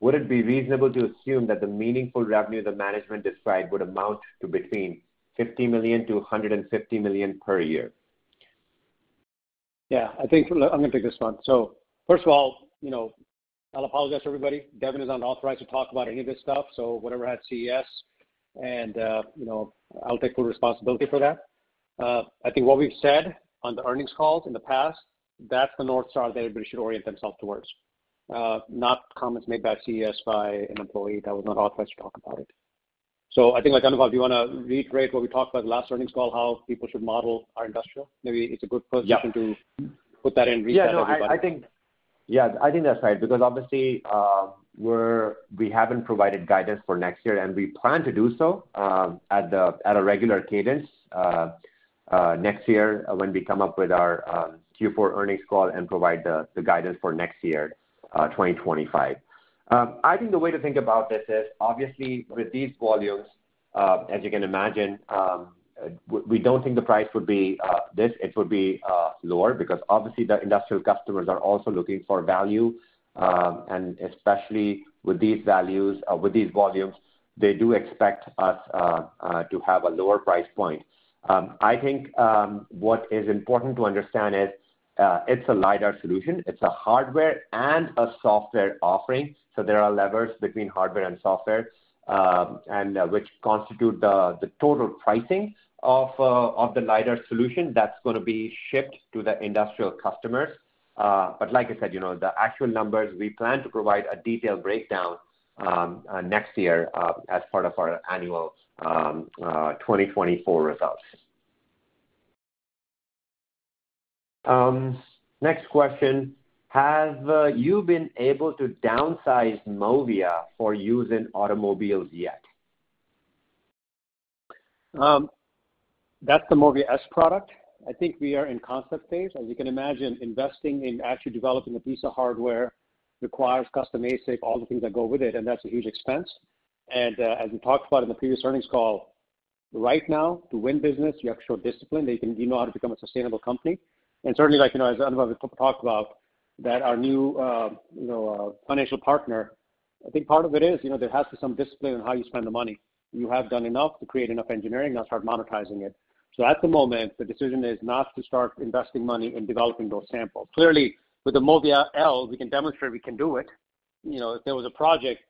Would it be reasonable to assume that the meaningful revenue the management described would amount to between $50 million to $150 million per year? Yeah, I think I'm gonna take this one. So first of all, you know, I'll apologize to everybody. Devin is unauthorized to talk about any of this stuff, so whatever at CES, and, you know, I'll take full responsibility for that. I think what we've said on the earnings calls in the past, that's the North Star that everybody should orient themselves towards, not comments made at CES by an employee that was not authorized to talk about it. So I think, Anubhav, do you wanna reiterate what we talked about in the last earnings call, how people should model our industrial? Maybe it's a good first option- Yeah. to put that in reach for everybody.... Yeah, I think that's right, because obviously, we're we haven't provided guidance for next year, and we plan to do so, at a regular cadence, next year when we come up with our Q4 earnings call and provide the guidance for next year, twenty twenty-five. I think the way to think about this is, obviously, with these volumes, as you can imagine, we don't think the price would be this, it would be lower. Because obviously, the industrial customers are also looking for value, and especially with these values, with these volumes, they do expect us to have a lower price point. I think what is important to understand is, it's a LiDAR solution. It's a hardware and a software offering, so there are levers between hardware and software, and which constitute the, the total pricing of, of the LiDAR solution that's gonna be shipped to the industrial customers. But like I said, you know, the actual numbers, we plan to provide a detailed breakdown, next year, as part of our annual, twenty twenty-four results. Next question: Have you been able to downsize MOVIA for use in automobiles yet? That's the MOVIA S product. I think we are in concept phase. As you can imagine, investing in actually developing a piece of hardware requires custom ASIC, all the things that go with it, and that's a huge expense. As we talked about in the previous earnings call, right now, to win business, you have to show discipline, that you know how to become a sustainable company. Certainly, like, you know, as Anubhav talked about, our new financial partner, I think part of it is, you know, there has to be some discipline in how you spend the money. You have done enough to create enough engineering, now start monetizing it. At the moment, the decision is not to start investing money in developing those samples. Clearly, with the MOVIA L, we can demonstrate we can do it. You know, if there was a project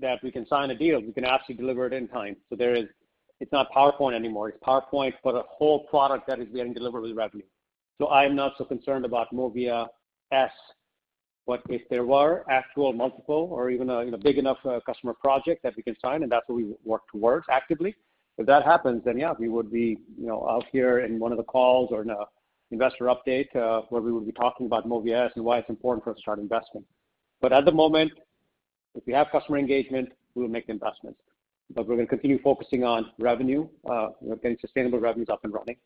that we can sign a deal, we can actually deliver it in time. So there is. It's not PowerPoint anymore. It's PowerPoint for the whole product that is getting delivered with revenue. So I am not so concerned about MOVIA S, but if there were actual multiple or even a, you know, big enough customer project that we can sign, and that's what we work towards actively. If that happens, then, yeah, we would be, you know, out here in one of the calls or in an investor update, where we would be talking about MOVIA S and why it's important for us to start investing. But at the moment, if we have customer engagement, we will make the investments. But we're gonna continue focusing on revenue, you know, getting sustainable revenues up and running.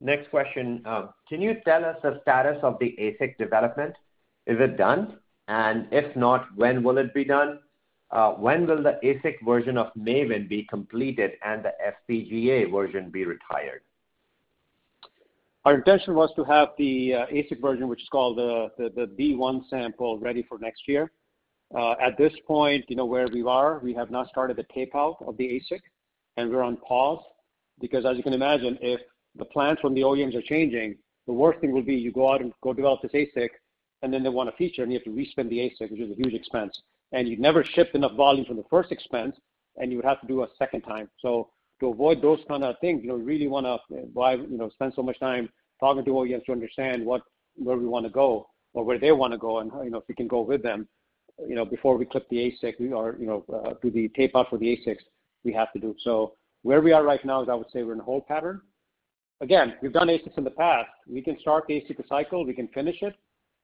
Next question. Can you tell us the status of the ASIC development? Is it done? And if not, when will it be done? When will the ASIC version of MAVIN be completed and the FPGA version be retired? Our intention was to have the ASIC version, which is called the V1 sample, ready for next year. At this point, you know where we are, we have not started the tape out of the ASIC, and we're on pause. Because as you can imagine, if the plans from the OEMs are changing, the worst thing would be you go out and go develop this ASIC, and then they want a feature, and you have to respin the ASIC, which is a huge expense, and you'd never ship enough volume from the first expense, and you would have to do a second time. So to avoid those kind of things, you know, we really wanna, you know, spend so much time talking to OEMs to understand where we wanna go or where they wanna go, and, you know, if we can go with them, you know, before we spec the ASIC or, you know, do the tape out for the ASICs we have to do. Where we are right now is, I would say we're in a hold pattern. Again, we've done ASICs in the past. We can start the ASIC cycle, we can finish it.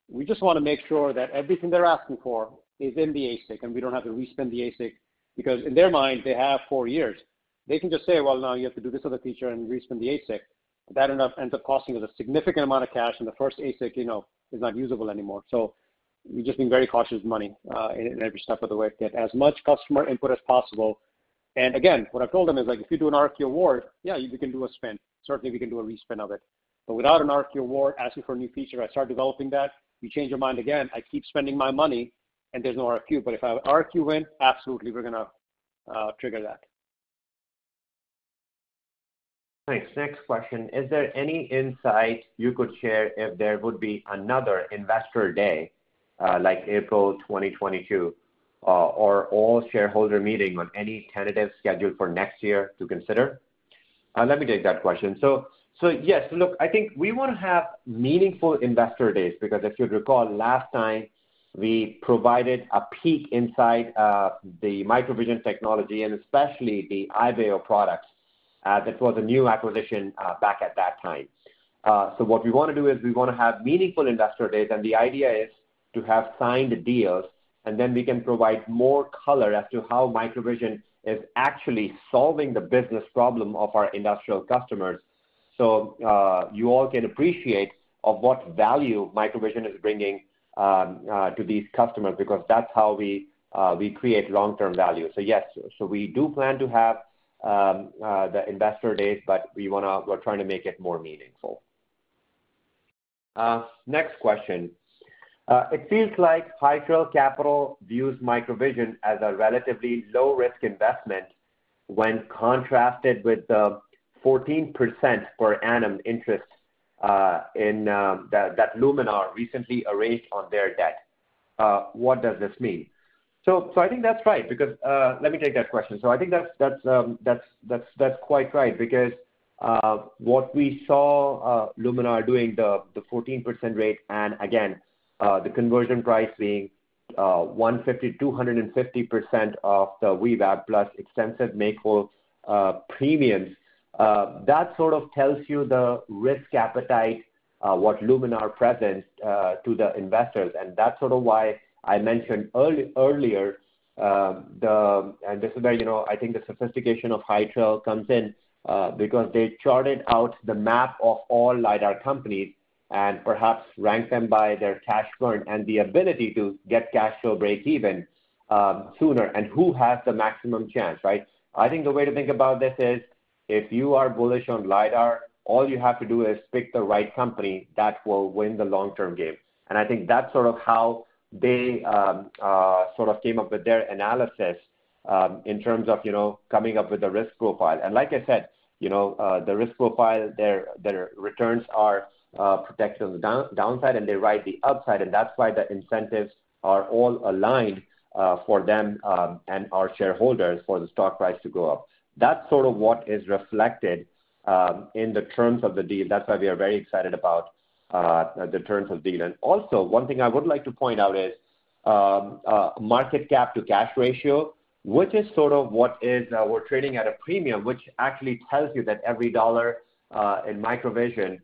We just wanna make sure that everything they're asking for is in the ASIC, and we don't have to respin the ASIC, because in their minds, they have four years. They can just say, "Well, now you have to do this other feature and respin the ASIC." That enough ends up costing us a significant amount of cash, and the first ASIC, you know, is not usable anymore. So we've just been very cautious with money in every step of the way, get as much customer input as possible. And again, what I told them is, like, if you do an RFQ award, yeah, you can do a spin. Certainly, we can do a respin of it. But without an RFQ award, asking for a new feature, I start developing that, you change your mind again, I keep spending my money, and there's no RFQ. But if I have an RFQ win, absolutely, we're gonna trigger that. Thanks. Next question: Is there any insight you could share if there would be another Investor Day, like April twenty twenty-two, or annual shareholder meeting on any tentative schedule for next year to consider? Let me take that question. So yes, look, I think we wanna have meaningful investor days, because if you'd recall, last time we provided a peek inside the MicroVision technology, and especially the Ibeo products, that was a new acquisition, back at that time. So what we wanna do is we wanna have meaningful investor days, and the idea is to have signed deals, and then we can provide more color as to how MicroVision is actually solving the business problem of our industrial customers. So, you all can appreciate of what value MicroVision is bringing, to these customers, because that's how we, we create long-term value. So yes, so we do plan to have, the investor days, but we wanna, we're trying to make it more meaningful. Next question. It seems like High Trail Capital views MicroVision as a relatively low-risk investment when contrasted with the 14% per annum interest, in, that Luminar recently arranged on their debt. What does this mean? So, so I think that's right, because, let me take that question. So I think that's quite right, because, what we saw, Luminar doing the 14% rate, and again, the conversion price being, you know... 150, 250% of the VWAP plus extensive make-whole premiums, that sort of tells you the risk appetite, what Luminar presents to the investors. That's sort of why I mentioned earlier, and this is where, you know, I think the sophistication of High Trail comes in, because they charted out the map of all LiDAR companies and perhaps ranked them by their cash burn and the ability to get cash flow breakeven sooner, and who has the maximum chance, right? I think the way to think about this is, if you are bullish on LiDAR, all you have to do is pick the right company that will win the long-term game. And I think that's sort of how they sort of came up with their analysis in terms of you know coming up with the risk profile. Like I said you know the risk profile their returns are protected on the downside and they ride the upside and that's why the incentives are all aligned for them and our shareholders for the stock price to go up. That's sort of what is reflected in the terms of the deal. That's why we are very excited about the terms of the deal. And also one thing I would like to point out is, market cap to cash ratio, which is sort of what is, we're trading at a premium, which actually tells you that every dollar in MicroVision is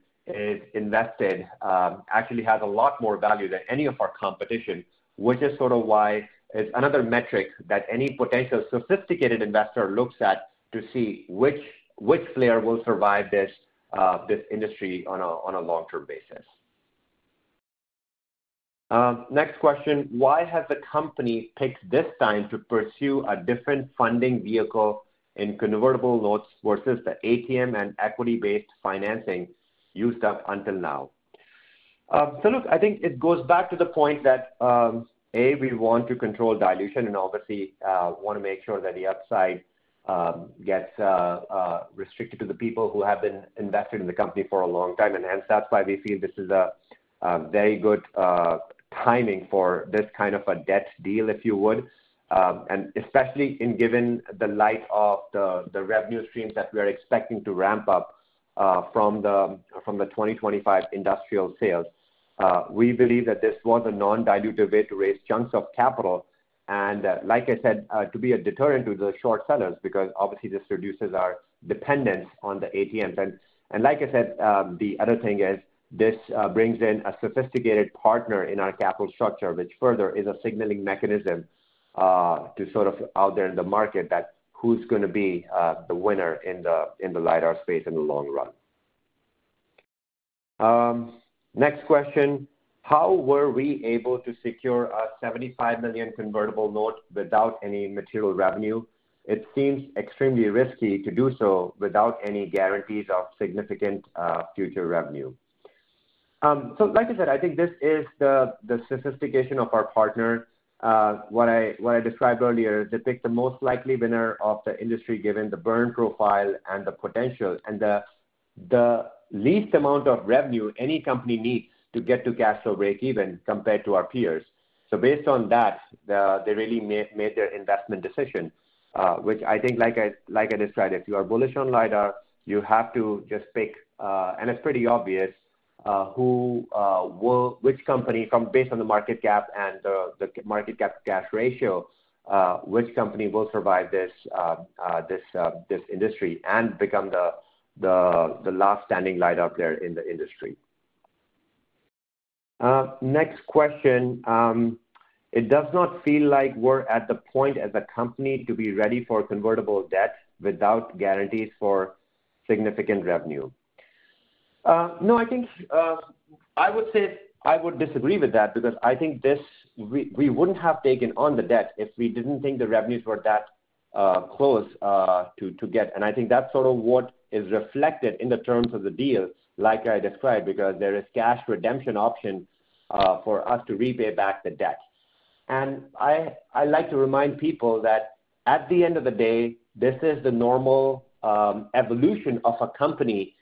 invested, actually has a lot more value than any of our competition. Which is sort of why it's another metric that any potential sophisticated investor looks at to see which player will survive this industry on a long-term basis. Next question: Why has the company picked this time to pursue a different funding vehicle in convertible notes versus the ATM and equity-based financing used up until now? So look, I think it goes back to the point that we want to control dilution and obviously want to make sure that the upside gets restricted to the people who have been invested in the company for a long time. And hence, that's why we feel this is a very good timing for this kind of a debt deal, if you would. And especially in light of the revenue streams that we're expecting to ramp up from the 2025 industrial sales. We believe that this was a non-dilutive way to raise chunks of capital and, like I said, to be a deterrent to the short sellers, because obviously this reduces our dependence on the ATMs. Like I said, the other thing is, this brings in a sophisticated partner in our capital structure, which further is a signaling mechanism to sort of out there in the market, that who's gonna be the winner in the LiDAR space in the long run. Next question: How were we able to secure a $75 million convertible note without any material revenue? It seems extremely risky to do so without any guarantees of significant future revenue. So like I said, I think this is the sophistication of our partner. What I described earlier, they pick the most likely winner of the industry, given the burn profile and the potential, and the least amount of revenue any company needs to get to cash flow breakeven compared to our peers. So based on that, they really made their investment decision, which I think, like I described, if you are bullish on LiDAR, you have to just pick, and it's pretty obvious, who will—which company from based on the market cap and the market cap cash ratio, which company will survive this industry and become the last standing LiDAR out there in the industry. Next question: It does not feel like we're at the point as a company to be ready for convertible debt without guarantees for significant revenue. No, I think I would say I would disagree with that, because I think this—we wouldn't have taken on the debt if we didn't think the revenues were that close to get. I think that's sort of what is reflected in the terms of the deal, like I described, because there is cash redemption option for us to repay back the debt. I like to remind people that at the end of the day, this is the normal evolution of a company,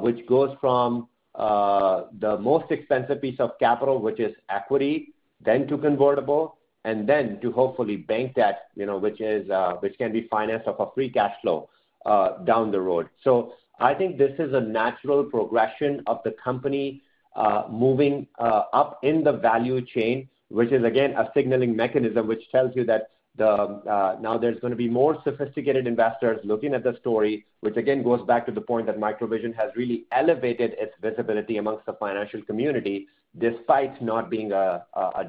which goes from the most expensive piece of capital, which is equity, then to convertible, and then to hopefully bank debt, you know, which can be financed off of free cash flow down the road. So, I think this is a natural progression of the company moving up in the value chain, which is again a signaling mechanism which tells you that now there's gonna be more sophisticated investors looking at the story, which again goes back to the point that MicroVision has really elevated its visibility among the financial community, despite not being a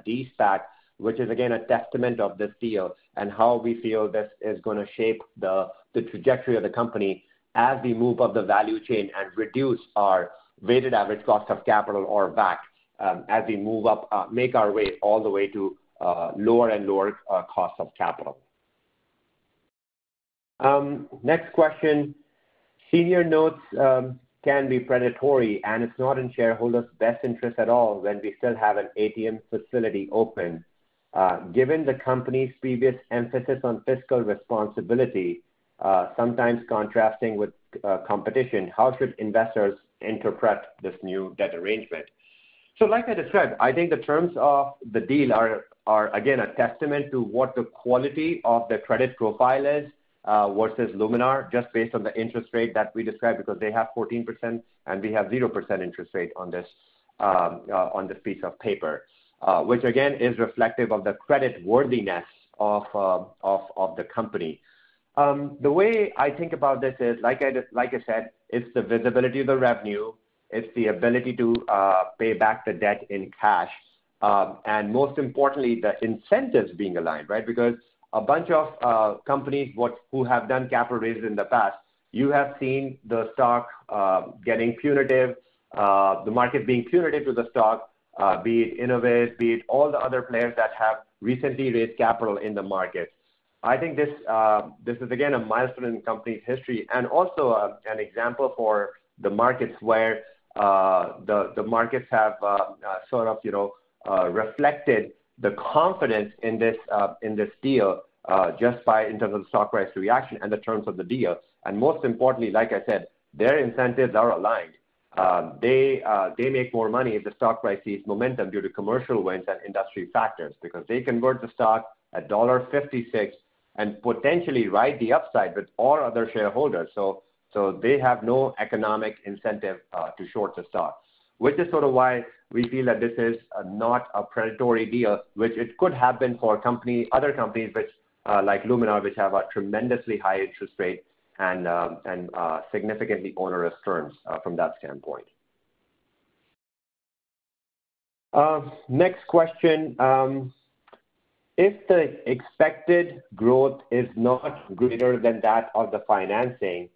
de-SPAC, which is again a testament of this deal and how we feel this is gonna shape the trajectory of the company as we move up the value chain and reduce our weighted average cost of capital or WACC as we move up, make our way all the way to lower and lower costs of capital. Next question: Senior notes can be predatory, and it's not in shareholders' best interest at all when we still have an ATM facility open. Given the company's previous emphasis on fiscal responsibility, sometimes contrasting with competition, how should investors interpret this new debt arrangement? So like I described, I think the terms of the deal are, are again, a testament to what the quality of the credit profile is, versus Luminar, just based on the interest rate that we described, because they have 14% and we have 0% interest rate on this, on this piece of paper. Which again, is reflective of the credit worthiness of, of the company. The way I think about this is, like I said, it's the visibility of the revenue, it's the ability to pay back the debt in cash, and most importantly, the incentives being aligned, right? Because a bunch of companies who have done capital raises in the past, you have seen the stock getting punitive, the market being punitive to the stock, be it Innoviz, be it all the other players that have recently raised capital in the market. I think this is again a milestone in the company's history, and also an example for the markets where the markets have sort of, you know, reflected the confidence in this deal just by in terms of stock price reaction and the terms of the deal. And most importantly, like I said, their incentives are aligned. They make more money if the stock price sees momentum due to commercial wins and industry factors, because they convert the stock at $1.56 and potentially ride the upside with all other shareholders. So they have no economic incentive to short the stock. Which is sort of why we feel that this is not a predatory deal, which it could have been for other companies which, like Luminar, which have a tremendously high interest rate and significantly onerous terms from that standpoint. Next question. If the expected growth is not greater than that of the financing,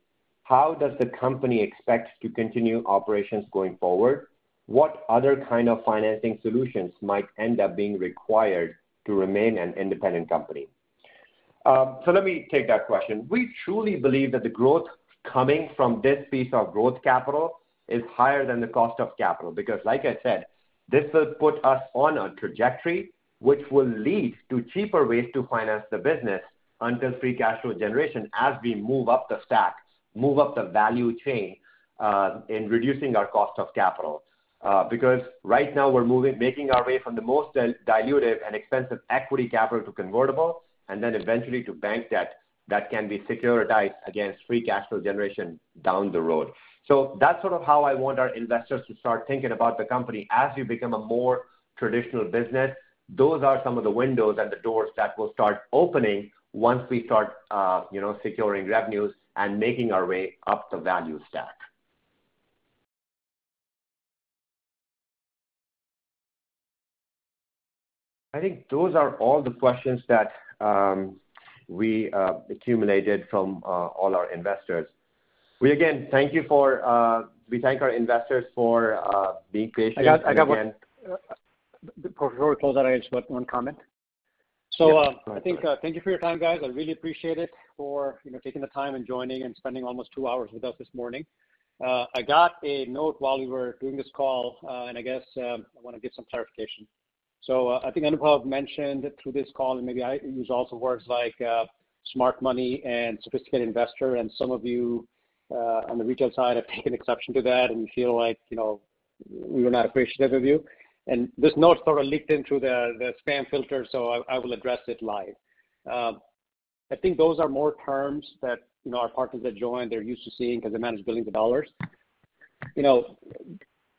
how does the company expect to continue operations going forward? What other kind of financing solutions might end up being required to remain an independent company? So let me take that question. We truly believe that the growth coming from this piece of growth capital is higher than the cost of capital, because like I said, this will put us on a trajectory, which will lead to cheaper ways to finance the business until free cash flow generation, as we move up the stack, move up the value chain, in reducing our cost of capital. Because right now we're moving, making our way from the most dilutive and expensive equity capital to convertible, and then eventually to bank debt that can be securitized against free cash flow generation down the road. So that's sort of how I want our investors to start thinking about the company. As we become a more traditional business, those are some of the windows and the doors that will start opening once we start, you know, securing revenues and making our way up the value stack. I think those are all the questions that we accumulated from all our investors. We again thank our investors for being patient- I got one. Before we close that, I just got one comment. I think thank you for your time, guys. I really appreciate it for, you know, taking the time and joining and spending almost two hours with us this morning. I got a note while we were doing this call, and I guess I want to give some clarification. I think Anubhav mentioned through this call, and maybe I used also words like smart money and sophisticated investor, and some of you on the retail side have taken exception to that and feel like, you know, we were not appreciative of you. This note sort of leaked into the spam filter, so I will address it live. I think those are more terms that, you know, our partners that joined, they're used to seeing, 'cause they manage billions of dollars. You know,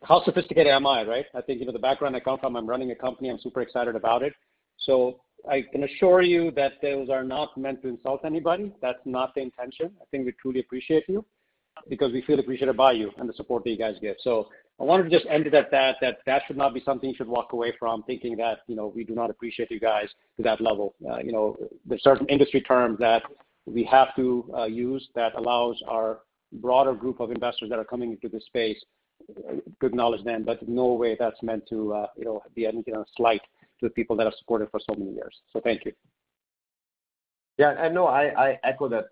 how sophisticated am I, right? I think, you know, the background I come from, I'm running a company, I'm super excited about it. So I can assure you that those are not meant to insult anybody. That's not the intention. I think we truly appreciate you, because we feel appreciated by you and the support that you guys give. So I wanted to just end it at that, that that should not be something you should walk away from thinking that, you know, we do not appreciate you guys to that level. You know, there are certain industry terms that we have to use that allows our broader group of investors that are coming into this space to acknowledge them, but no way that's meant to, you know, be anything a slight to the people that have supported for so many years. So thank you. Yeah, I know. I echo that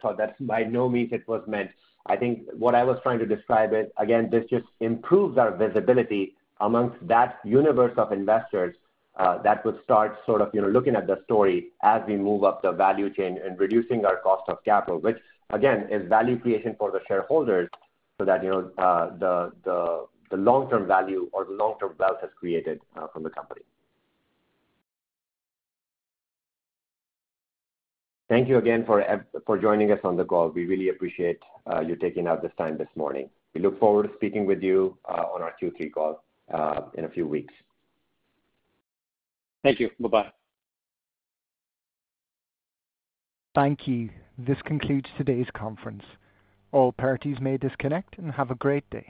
thought. That by no means it was meant... I think what I was trying to describe is, again, this just improves our visibility amongst that universe of investors that will start sort of, you know, looking at the story as we move up the value chain and reducing our cost of capital, which, again, is value creation for the shareholders so that, you know, the long-term value or the long-term wealth is created from the company. Thank you again for joining us on the call. We really appreciate you taking out this time this morning. We look forward to speaking with you on our Q3 call in a few weeks. Thank you. Bye-bye. Thank you. This concludes today's conference. All parties may disconnect and have a great day.